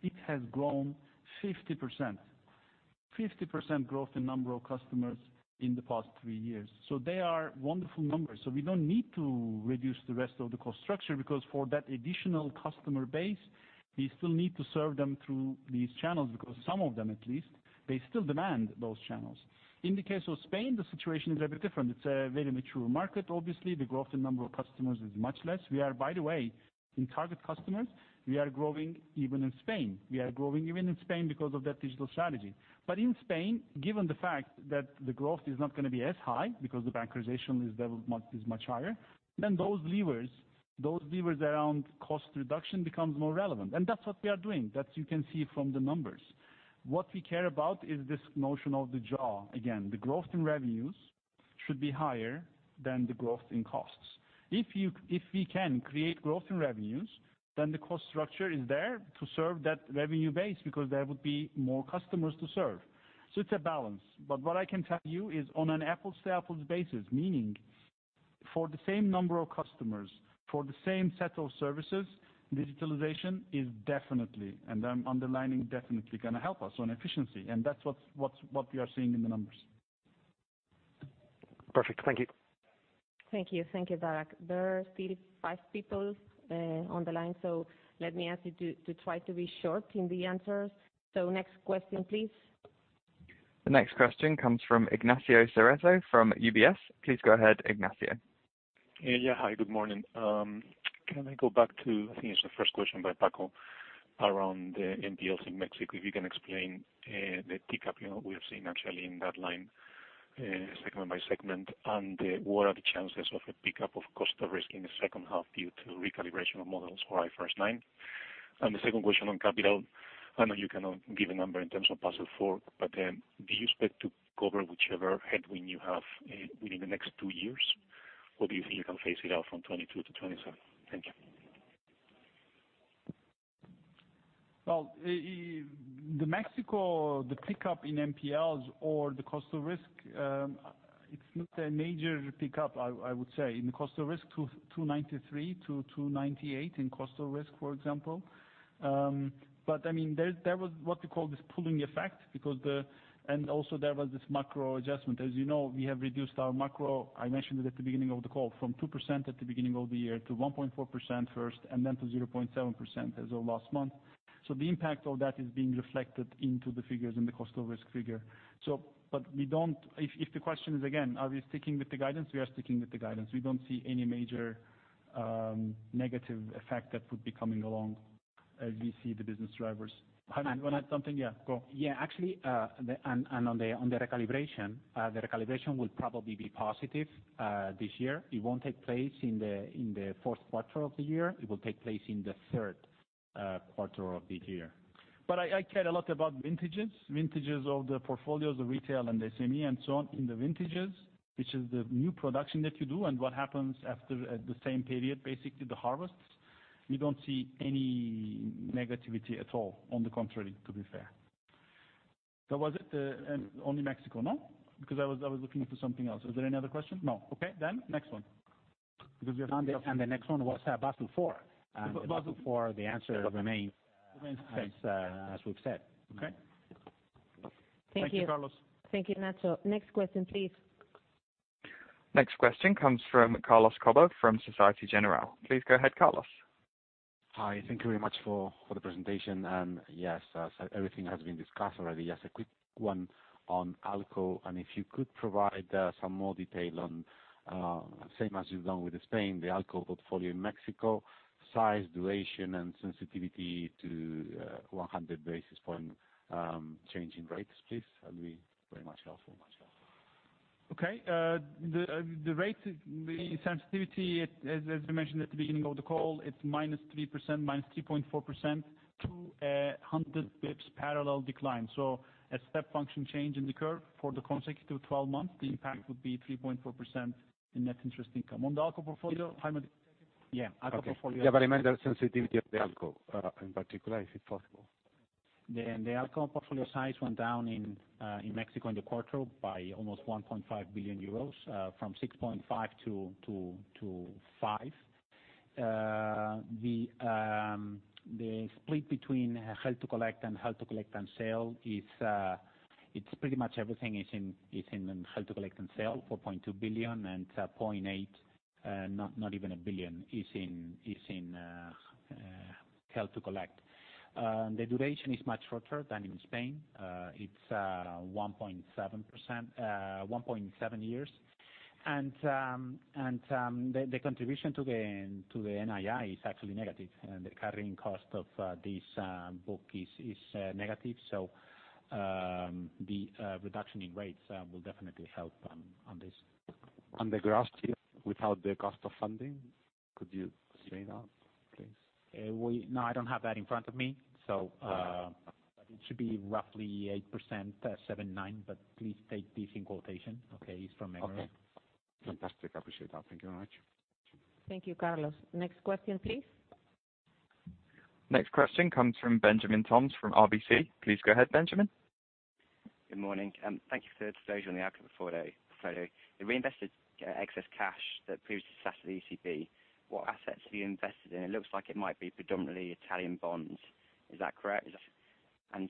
it has grown 50%. 50% growth in number of customers in the past three years. They are wonderful numbers. We don't need to reduce the rest of the cost structure, because for that additional customer base, we still need to serve them through these channels because some of them at least, they still demand those channels. In the case of Spain, the situation is a bit different. It's a very mature market obviously. The growth in number of customers is much less. By the way, in target customers, we are growing even in Spain. We are growing even in Spain because of that digital strategy. In Spain, given the fact that the growth is not going to be as high because the bankerization is much higher, those levers around cost reduction becomes more relevant. That's what we are doing. That you can see from the numbers. What we care about is this notion of the jaws. Again, the growth in revenues should be higher than the growth in costs. If we can create growth in revenues, the cost structure is there to serve that revenue base because there would be more customers to serve. It's a balance. What I can tell you is on an apples to apples basis, meaning for the same number of customers, for the same set of services, digitalization is definitely, and I'm underlining definitely, going to help us on efficiency, and that's what we are seeing in the numbers. Perfect. Thank you. Thank you. Thank you, Daragh. There are still five people on the line, let me ask you to try to be short in the answers. Next question, please. The next question comes from Ignacio Cerezo from UBS. Please go ahead, Ignacio. Yeah. Hi, good morning. Can I go back to, I think it's the first question by Paco around the NPLs in Mexico. If you can explain the pickup we have seen actually in that line, segment by segment, and what are the chances of a pickup of cost of risk in the second half due to recalibration of models for IFRS 9? The second question on capital, I know you cannot give a number in terms of Basel IV, but do you expect to cover whichever headwind you have within the next two years? Or do you think you can phase it out from 2022-2027? Thank you. Well, the Mexico, the pickup in NPLs or the cost of risk, it's not a major pickup, I would say. In the cost of risk, 293-298 in cost of risk, for example. There was what you call this pooling effect, also there was this macro adjustment. As you know, we have reduced our macro, I mentioned it at the beginning of the call, from 2% at the beginning of the year to 1.4% first, then to 0.7% as of last month. The impact of that is being reflected into the figures in the cost of risk figure. If the question is again, are we sticking with the guidance? We are sticking with the guidance. We don't see any major negative effect that would be coming along as we see the business drivers. Jaime, you want to add something? Yeah, go. Yeah, actually, on the recalibration, the recalibration will probably be positive this year. It won't take place in the fourth quarter of the year. It will take place in the third quarter of this year. I care a lot about vintages. Vintages of the portfolios of retail and SME and so on. In the vintages, which is the new production that you do and what happens after the same period, basically the harvests, we don't see any negativity at all, on the contrary, to be fair. That was it. Only Mexico, no? I was looking for something else. Is there any other question? No. Okay, next one. The next one was Basel IV. Basel IV. The answer remains - Remains the same. - as we've said. Okay. Thank you. Thank you. Thank you, Nacho. Next question, please. Next question comes from Carlos Cobo from Société Générale. Please go ahead, Carlos. Hi, thank you very much for the presentation. Yes, everything has been discussed already. Just a quick one on ALCO, and if you could provide some more detail on, same as you've done with Spain, the ALCO portfolio in Mexico, size, duration, and sensitivity to 100 basis point change in rates, please. That'd be very much helpful. Okay. The rate, the sensitivity, as we mentioned at the beginning of the call, it's -3%, -3.4% to 100 basis points parallel decline. A step function change in the curve for the consecutive 12 months, the impact would be 3.4% in net interest income. On the ALCO portfolio, Jaime? Yeah, ALCO portfolio. Okay. Yeah, but I meant the sensitivity of the ALCO, in particular, if it's possible. The ALCO portfolio size went down in Mexico in the quarter by almost 1.5 billion euros, from 6.5 billion-5 billion. The split between held-to-collect and held-to-collect and sell, it's pretty much everything is in held-to-collect and sell, 4.2 billion, and 0.8 billion, not even a billion, is in held-to-collect. The duration is much shorter than in Spain. It's 1.7 years. The contribution to the NII is actually negative. The carrying cost of this book is negative. The reduction in rates will definitely help on this. On the gross tier, without the cost of funding, could you explain that, please? No, I don't have that in front of me, so it should be roughly 8%, 7.9%, but please take this in quotation, okay? It's from memory. Okay. Fantastic. I appreciate that. Thank you very much. Thank you, Carlos. Next question, please. Next question comes from Benjamin Toms from RBC. Please go ahead, Benjamin. Good morning. Thank you for the disclosure on the outcome before today. You reinvested excess cash that previously sat at the ECB. What assets are you invested in? It looks like it might be predominantly Italian bonds. Is that correct?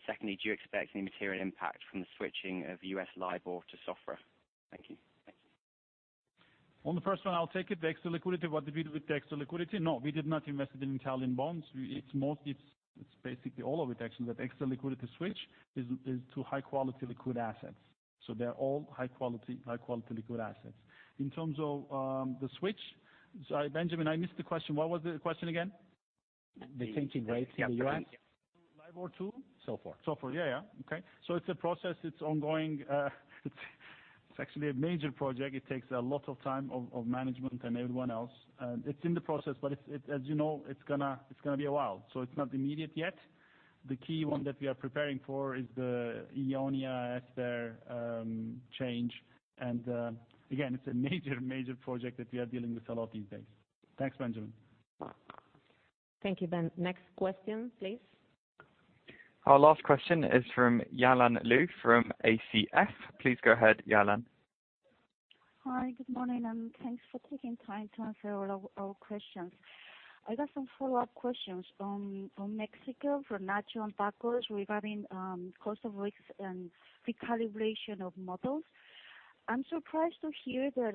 Secondly, do you expect any material impact from the switching of U.S. LIBOR to SOFR? Thank you. On the first one, I'll take it. The extra liquidity, what did we do with the extra liquidity? No, we did not invest it in Italian bonds. It's basically all of it, actually, that extra liquidity switch is to high-quality liquid assets. They're all high-quality liquid assets. In terms of the switch, sorry, Benjamin, I missed the question. What was the question again? The changing rates in the U.S. Yeah, thank you. LIBOR to? SOFR. SOFR. Yeah. Okay. It's a process that's ongoing. It's actually a major project. It takes a lot of time, of management and everyone else. It's in the process, as you know, it's going to be a while. It's not immediate yet. The key one that we are preparing for is the year-on-year change. Again, it's a major project that we are dealing with a lot these days. Thanks, Benjamin. Thank you, Ben. Next question, please. Our last question is from Ya-Lan Liu from ACF. Please go ahead, Ya-Lan. Hi, good morning, thanks for taking time to answer all questions. I got some follow-up questions from Mexico, for Nacho and Paco, regarding cost of risks and recalibration of models. I'm surprised to hear that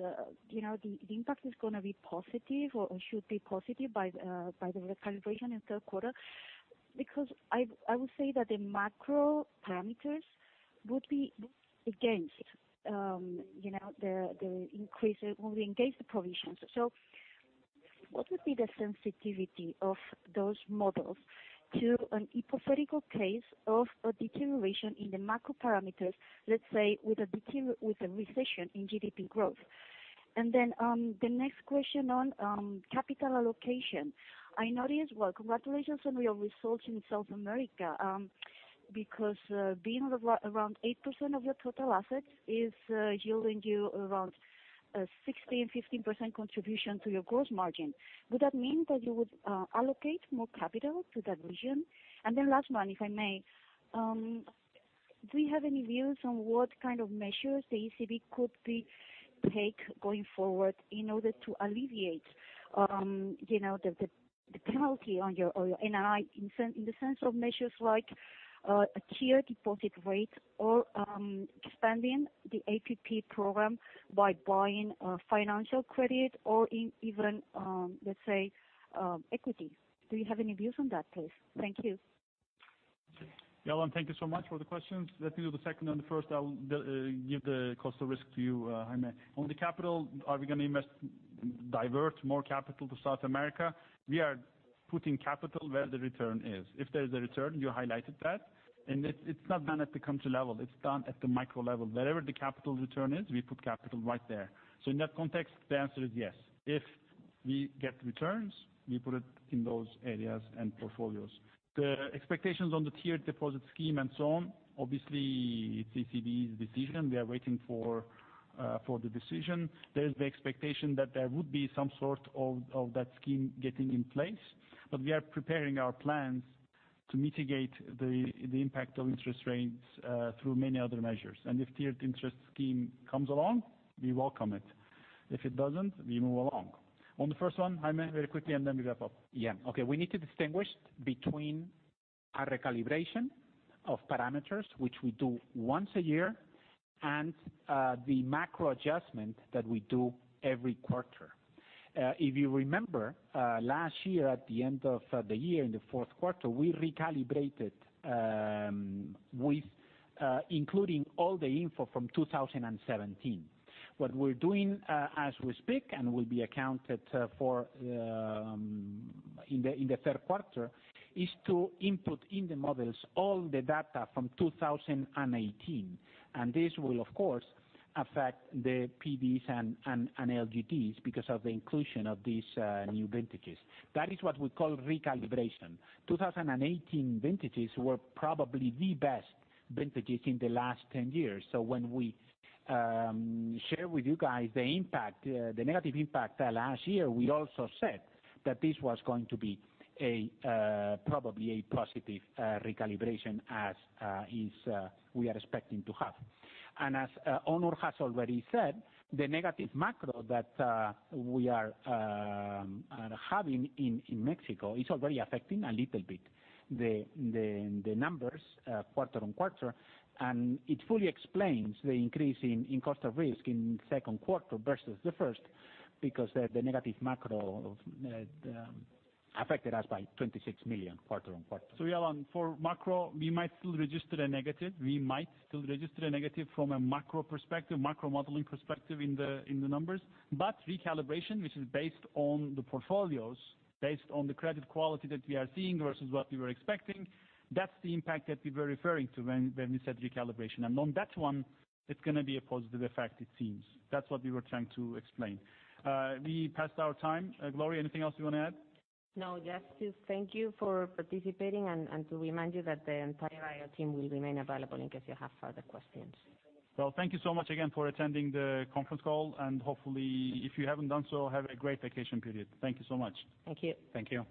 the impact is going to be positive or should be positive by the recalibration in third quarter, I would say that the macro parameters would be against the increase or would engage the provisions. What would be the sensitivity of those models to a hypothetical case of a deterioration in the macro parameters, let's say, with a recession in GDP growth? The next question on capital allocation. Well, congratulations on your results in South America. Being around 8% of your total assets is yielding you around 16%-15% contribution to your gross margin. Would that mean that you would allocate more capital to that region? Last one, if I may. Do you have any views on what kind of measures the ECB could take going forward in order to alleviate the penalty on your NII in the sense of measures like a tier deposit rate or expanding the APP program by buying financial credit or even, let's say, equity? Do you have any views on that, please? Thank you. Ya-Lan, thank you so much for the questions. Let me do the second and the first, I'll give the cost of risk to you, Jaime. On the capital, are we going to divert more capital to South America? We are putting capital where the return is. If there is a return, you highlighted that, and it is not done at the country level. It is done at the micro level. Wherever the capital return is, we put capital right there. In that context, the answer is yes. If we get returns, we put it in those areas and portfolios. The expectations on the tier deposit scheme and so on, obviously, it is ECB's decision. We are waiting for the decision. There is the expectation that there would be some sort of that scheme getting in place, but we are preparing our plans to mitigate the impact of interest rates through many other measures. If tiered interest scheme comes along, we welcome it. If it doesn't, we move along. On the first one, Jaime, very quickly, and then we wrap up. Yeah. Okay. We need to distinguish between our recalibration of parameters, which we do once a year, and the macro adjustment that we do every quarter. If you remember, last year at the end of the year in the fourth quarter, we recalibrated with including all the info from 2017. What we're doing as we speak, and will be accounted for in the third quarter, is to input in the models all the data from 2018. This will, of course, affect the PDs and LGDs because of the inclusion of these new vintages. That is what we call recalibration. 2018 vintages were probably the best vintages in the last 10 years. When we share with you guys the negative impact last year, we also said that this was going to be probably a positive recalibration as we are expecting to have. As Onur has already said, the negative macro that we are having in Mexico is already affecting a little bit the numbers quarter-on-quarter. It fully explains the increase in cost of risk in second quarter versus the first because the negative macro affected us by 26 million quarter-on-quarter. Ya-Lan, for macro, we might still register a negative. We might still register a negative from a macro modeling perspective in the numbers. Recalibration, which is based on the portfolios, based on the credit quality that we are seeing versus what we were expecting, that's the impact that we were referring to when we said recalibration. On that one, it's going to be a positive effect, it seems. That's what we were trying to explain. We passed our time. Gloria, anything else you want to add? No, just to thank you for participating and to remind you that the entire IR team will remain available in case you have further questions. Well, thank you so much again for attending the conference call, and hopefully, if you haven't done so, have a great vacation period. Thank you so much. Thank you. Thank you.